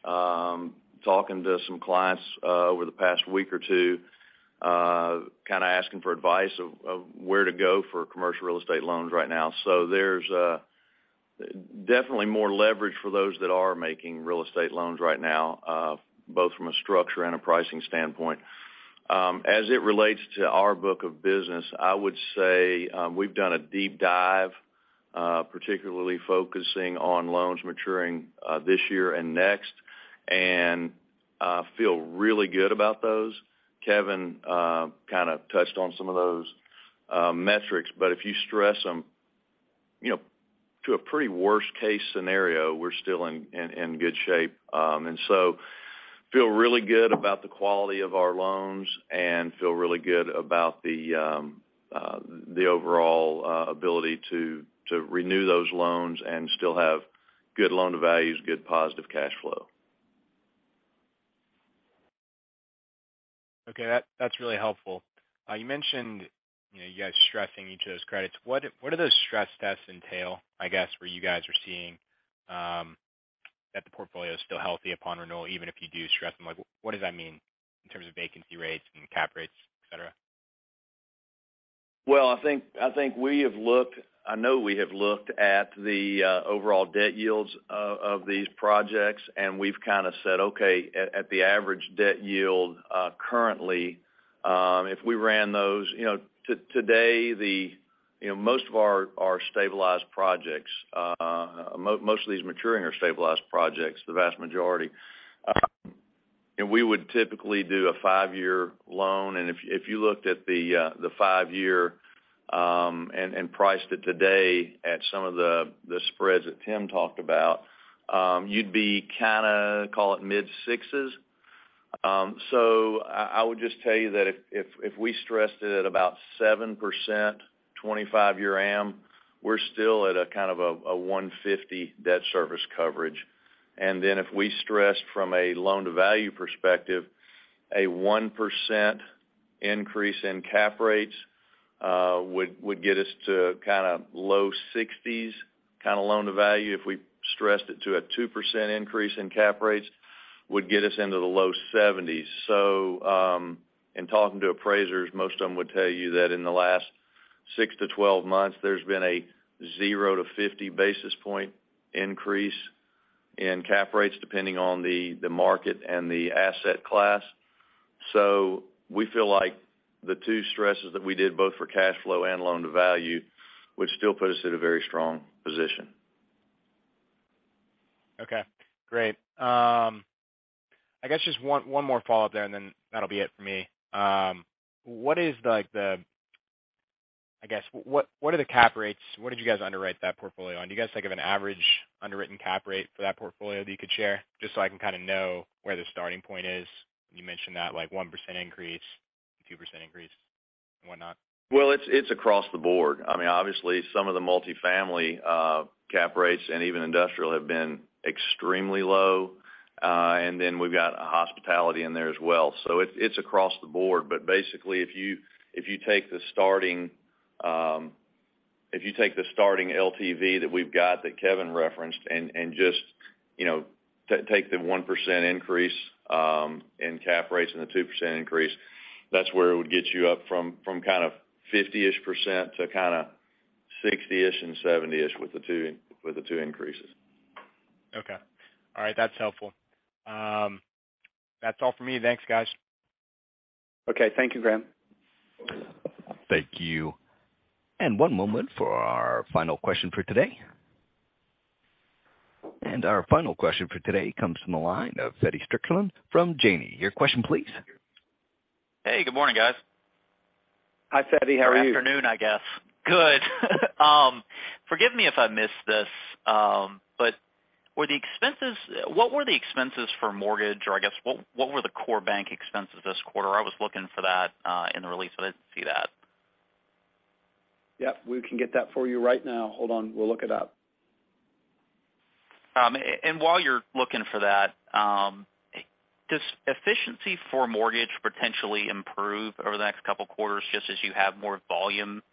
Talking to some clients, over the past week or two, kinda asking for advice of where to go for commercial real estate loans right now. There's definitely more leverage for those that are making real estate loans right now, both from a structure and a pricing standpoint. As it relates to our book of business, I would say, we've done a deep dive, particularly focusing on loans maturing, this year and next, and feel really good about those. Kevin kinda touched on some of those metrics. If you stress them, you know, to a pretty worst case scenario, we're still in good shape. Feel really good about the quality of our loans and feel really good about the overall ability to renew those loans and still have good loan to values, good positive cash flow. Okay, that's really helpful. You mentioned, you know, you guys stressing each of those credits. What do those stress tests entail, I guess, where you guys are seeing, that the portfolio is still healthy upon renewal, even if you do stress them? Like, what does that mean in terms of vacancy rates and cap rates, etc? Well, I know we have looked at the overall debt yields of these projects, and we've kinda said, okay, at the average debt yield currently, if we ran those. You know, today, the, you know, most of our stabilized projects, most of these maturing are stabilized projects, the vast majority. We would typically do a five-year loan. If you looked at the five-year, and priced it today at some of the spreads that Tim talked about, you'd be kinda, call it mid-sixes. I would just tell you that if we stressed it at about 7%, 25-year am, we're still at a kind of a 150 debt service coverage. If we stressed from a loan-to-value perspective, a 1% increase in cap rates, would get us to kinda low 60s kinda loan-to-value. If we stressed it to a 2% increase in cap rates, would get us into the low 70s. In talking to appraisers, most of them would tell you that in the last 6-12 months, there's been a 0-50 basis point increase in cap rates depending on the market and the asset class. We feel like the two stresses that we did both for cash flow and loan-to-value, which still put us at a very strong position. Okay, great. I guess just one more follow-up there, and then that'll be it for me. I guess, what are the cap rates? What did you guys underwrite that portfolio on? Do you guys like have an average underwritten cap rate for that portfolio that you could share? Just so I can kinda know where the starting point is. You mentioned that, like 1% increase, 2% increase and whatnot. Well, it's across the board. I mean, obviously some of the multifamily, cap rates and even industrial have been extremely low. Then we've got a hospitality in there as well. It's across the board. Basically, if you take the starting LTV that we've got, that Kevin referenced and just, you know, take the 1% increase in cap rates and the 2% increase, that's where it would get you up from kind of 50%-ish to kinda 60-ish and 70-ish with the two increases. Okay. All right. That's helpful. That's all for me. Thanks, guys. Okay. Thank you, Graham. Thank you. One moment for our final question for today. Our final question for today comes from the line of Feddie Strickland from Janney. Your question, please. Hey, good morning, guys. Hi, Feddie. How are you? Afternoon, I guess. Good. Forgive me if I missed this, what were the expenses for mortgage? I guess, what were the core bank expenses this quarter? I was looking for that in the release, but I didn't see that. Yeah, we can get that for you right now. Hold on. We'll look it up. While you're looking for that, does efficiency for mortgage potentially improve over the next two quarters just as you have more volume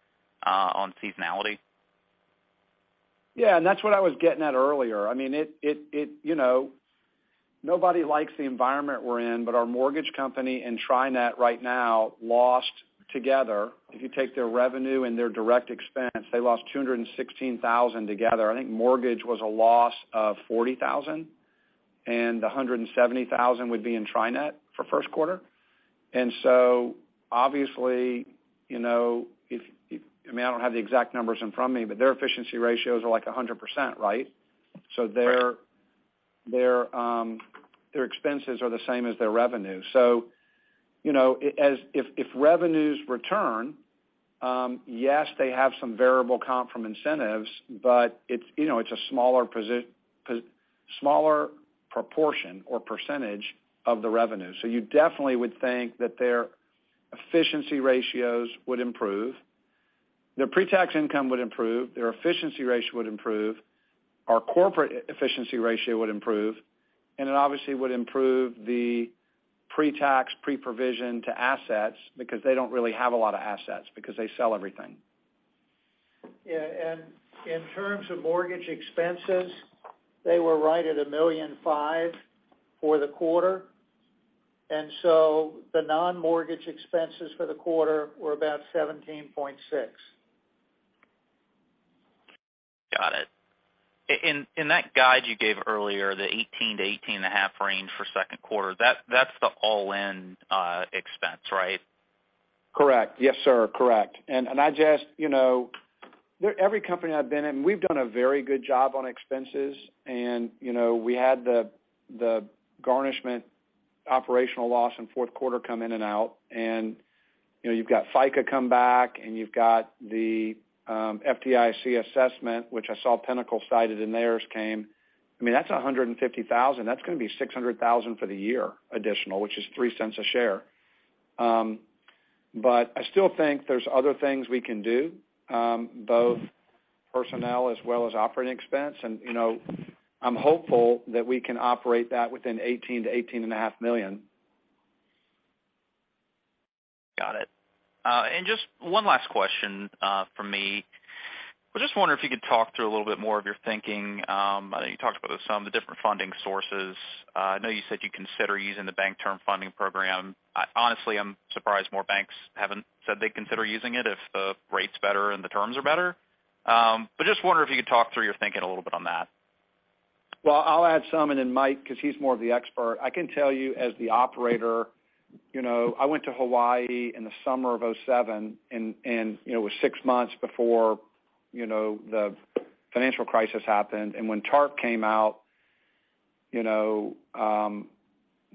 on seasonality? Yeah, that's what I was getting at earlier. I mean, you know, nobody likes the environment we're in, but our mortgage company and Tri-Net right now lost together. If you take their revenue and their direct expense, they lost $216,000 together. I think mortgage was a loss of $40,000, and the $170,000 would be in Tri-Net for first quarter. Obviously, you know, I mean, I don't have the exact numbers in front of me, but their efficiency ratios are like 100%, right? Their expenses are the same as their revenue. You know, as if revenues return, yes, they have some variable comp from incentives, but it's, you know, it's a smaller proportion or percentage of the revenue. You definitely would think that their efficiency ratios would improve. Their pre-tax income would improve, their efficiency ratio would improve. Our corporate efficiency ratio would improve. It obviously would improve the pre-tax, pre-provision to assets because they don't really have a lot of assets because they sell everything. Yeah. In terms of mortgage expenses, they were right at $1.5 million for the quarter. The non-mortgage expenses for the quarter were about $17.6 million. Got it. In that guide you gave earlier, the 18-18.5 range for second quarter, that's the all-in expense, right? Correct. Yes, sir. Correct. I just, you know, every company I've been in, we've done a very good job on expenses. You know, we had the garnishment operational loss in fourth quarter come in and out. You know, you've got FICA come back, and you've got the FDIC assessment, which I saw Pinnacle cited in theirs came. I mean, that's $150,000. That's gonna be $600,000 for the year additional, which is $0.03 a share. I still think there's other things we can do, both personnel as well as operating expense. You know, I'm hopeful that we can operate that within $18 million-$18.5 million. Got it. Just one last question from me. I was just wondering if you could talk through a little bit more of your thinking. I know you talked about some of the different funding sources. I know you said you'd consider using the Bank Term Funding Program. Honestly, I'm surprised more banks haven't said they'd consider using it if the rate's better and the terms are better. But just wonder if you could talk through your thinking a little bit on that. I'll add some and then Mike, because he's more of the expert. I can tell you as the operator, you know, I went to Hawaii in the summer of 2007, you know, it was six months before, you know, the financial crisis happened. When TARP came out, you know,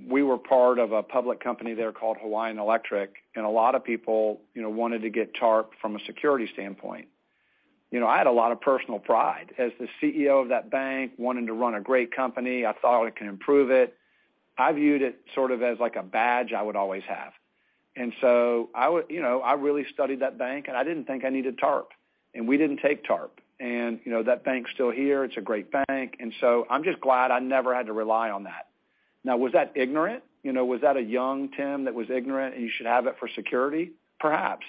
we were part of a public company there called Hawaiian Electric, and a lot of people, you know, wanted to get TARP from a security standpoint. You know, I had a lot of personal pride as the CEO of that bank wanting to run a great company. I thought I can improve it. I viewed it sort of as like a badge I would always have. I would, you know, I really studied that bank, and I didn't think I needed TARP. We didn't take TARP. You know, that bank's still here. It's a great bank. I'm just glad I never had to rely on that. Now, was that ignorant? You know, was that a young Tim that was ignorant, and you should have it for security? Perhaps.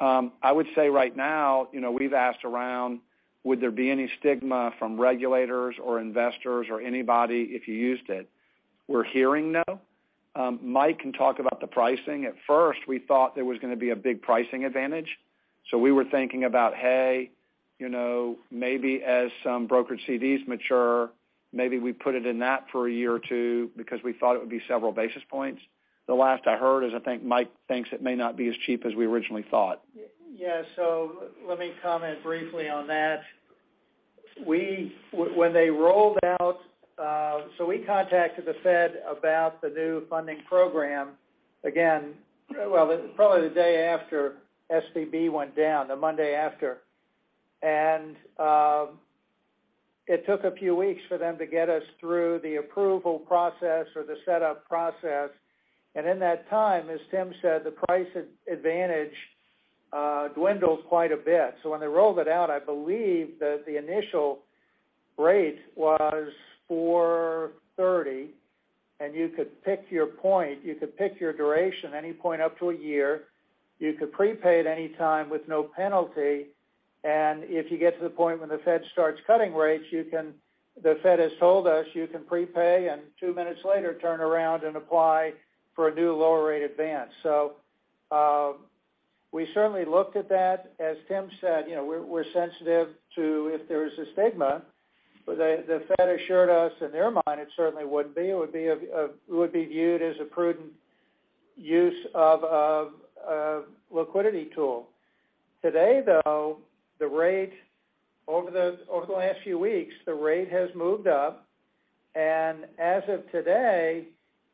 I would say right now, you know, we've asked around, would there be any stigma from regulators or investors or anybody if you used it? We're hearing no. Mike can talk about the pricing. At first, we thought there was gonna be a big pricing advantage. We were thinking about, hey, you know, maybe as some brokered CDs mature, maybe we put it in that for a year or two because we thought it would be several basis points. The last I heard is I think Mike thinks it may not be as cheap as we originally thought. Yeah. Let me comment briefly on that. When they rolled out, we contacted The Fed about the new funding program again, well, probably the day after SVB went down, the Monday after. It took a few weeks for them to get us through the approval process or the setup process. In that time, as Tim said, the price advantage dwindled quite a bit. When they rolled it out, I believe that the initial rate was 430, and you could pick your point. You could pick your duration, any point up to a year. You could prepay at any time with no penalty. If you get to the point when the Fed starts cutting rates, the Fed has told us you can prepay and two minutes later turn around and apply for a new lower rate advance. We certainly looked at that. As Tim said, you know, we're sensitive to if there is a stigma, the Fed assured us in their mind it certainly wouldn't be. It would be viewed as a prudent use of a liquidity tool. Today, though, the rate over the last few weeks, the rate has moved up. As of today,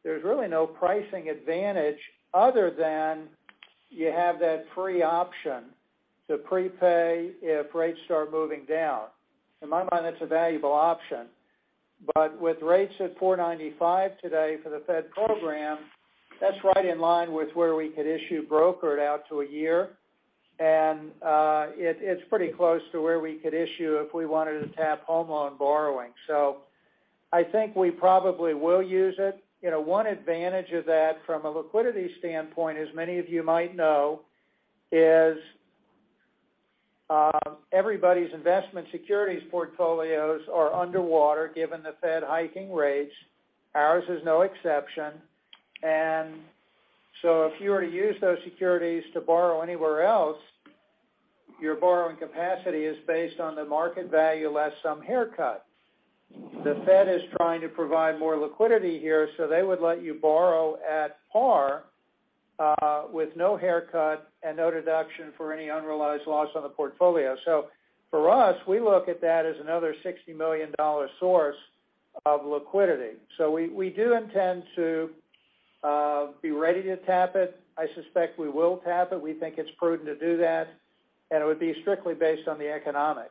there's really no pricing advantage other than you have that free option to prepay if rates start moving down. In my mind, that's a valuable option. With rates at 4.95% today for the Fed program, that's right in line with where we could issue brokered out to a year. It's pretty close to where we could issue if we wanted to tap home loan borrowing. I think we probably will use it. You know, one advantage of that from a liquidity standpoint, as many of you might know, is, everybody's investment securities portfolios are underwater given the Fed hiking rates. Ours is no exception. If you were to use those securities to borrow anywhere else, your borrowing capacity is based on the market value less some haircut. The Fed is trying to provide more liquidity here, so they would let you borrow at par, with no haircut and no deduction for any unrealized loss on the portfolio. For us, we look at that as another $60 million source of liquidity. We do intend to be ready to tap it. I suspect we will tap it. We think it's prudent to do that, and it would be strictly based on the economics.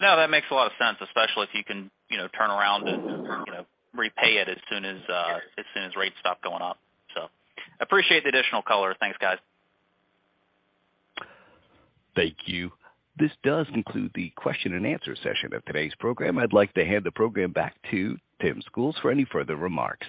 No, that makes a lot of sense, especially if you can, you know, turn around and, you know, repay it as soon as soon as rates stop going up. Appreciate the additional color. Thanks, guys. Thank you. This does conclude the question and answer session of today's program. I'd like to hand the program back to Tim Schools for any further remarks.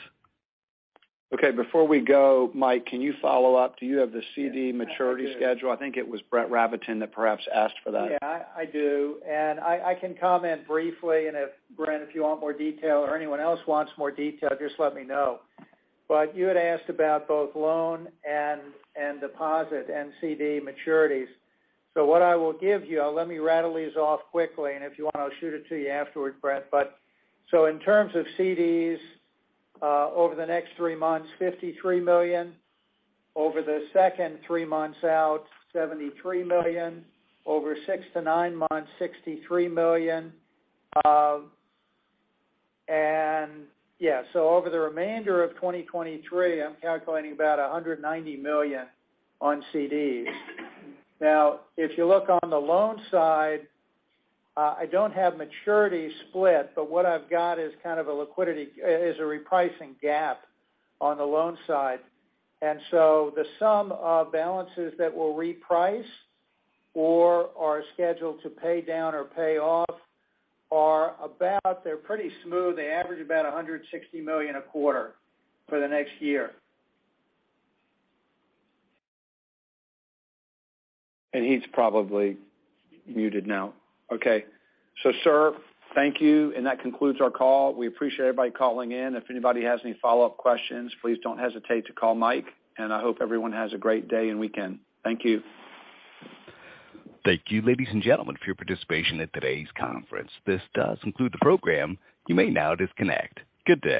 Okay, before we go, Mike, can you follow up? Do you have the CD maturity schedule? I think it was Brett Rabatin that perhaps asked for that. Yeah, I do. I can comment briefly, and if, Brett, if you want more detail or anyone else wants more detail, just let me know. You had asked about both loan and deposit and CD maturities. What I will give you, let me rattle these off quickly, and if you want, I'll shoot it to you afterward, Brett. In terms of CDs, over the next 3 months, $53 million. Over the second 3 months out, $73 million. Over 6-9 months, $63 million. Yeah. Over the remainder of 2023, I'm calculating about $190 million on CDs. If you look on the loan side, I don't have maturity split, but what I've got is kind of a liquidity, is a repricing gap on the loan side. The sum of balances that will reprice or are scheduled to pay down or pay off are about, they're pretty smooth. They average about $160 million a quarter for the next year. And he's probably muted now. Okay. Sir, thank you, and that concludes our call. We appreciate everybody calling in. If anybody has any follow-up questions, please don't hesitate to call Mike. I hope everyone has a great day and weekend. Thank you. Thank you, ladies and gentlemen, for your participation in today's conference. This does conclude the program. You may now disconnect. Good day.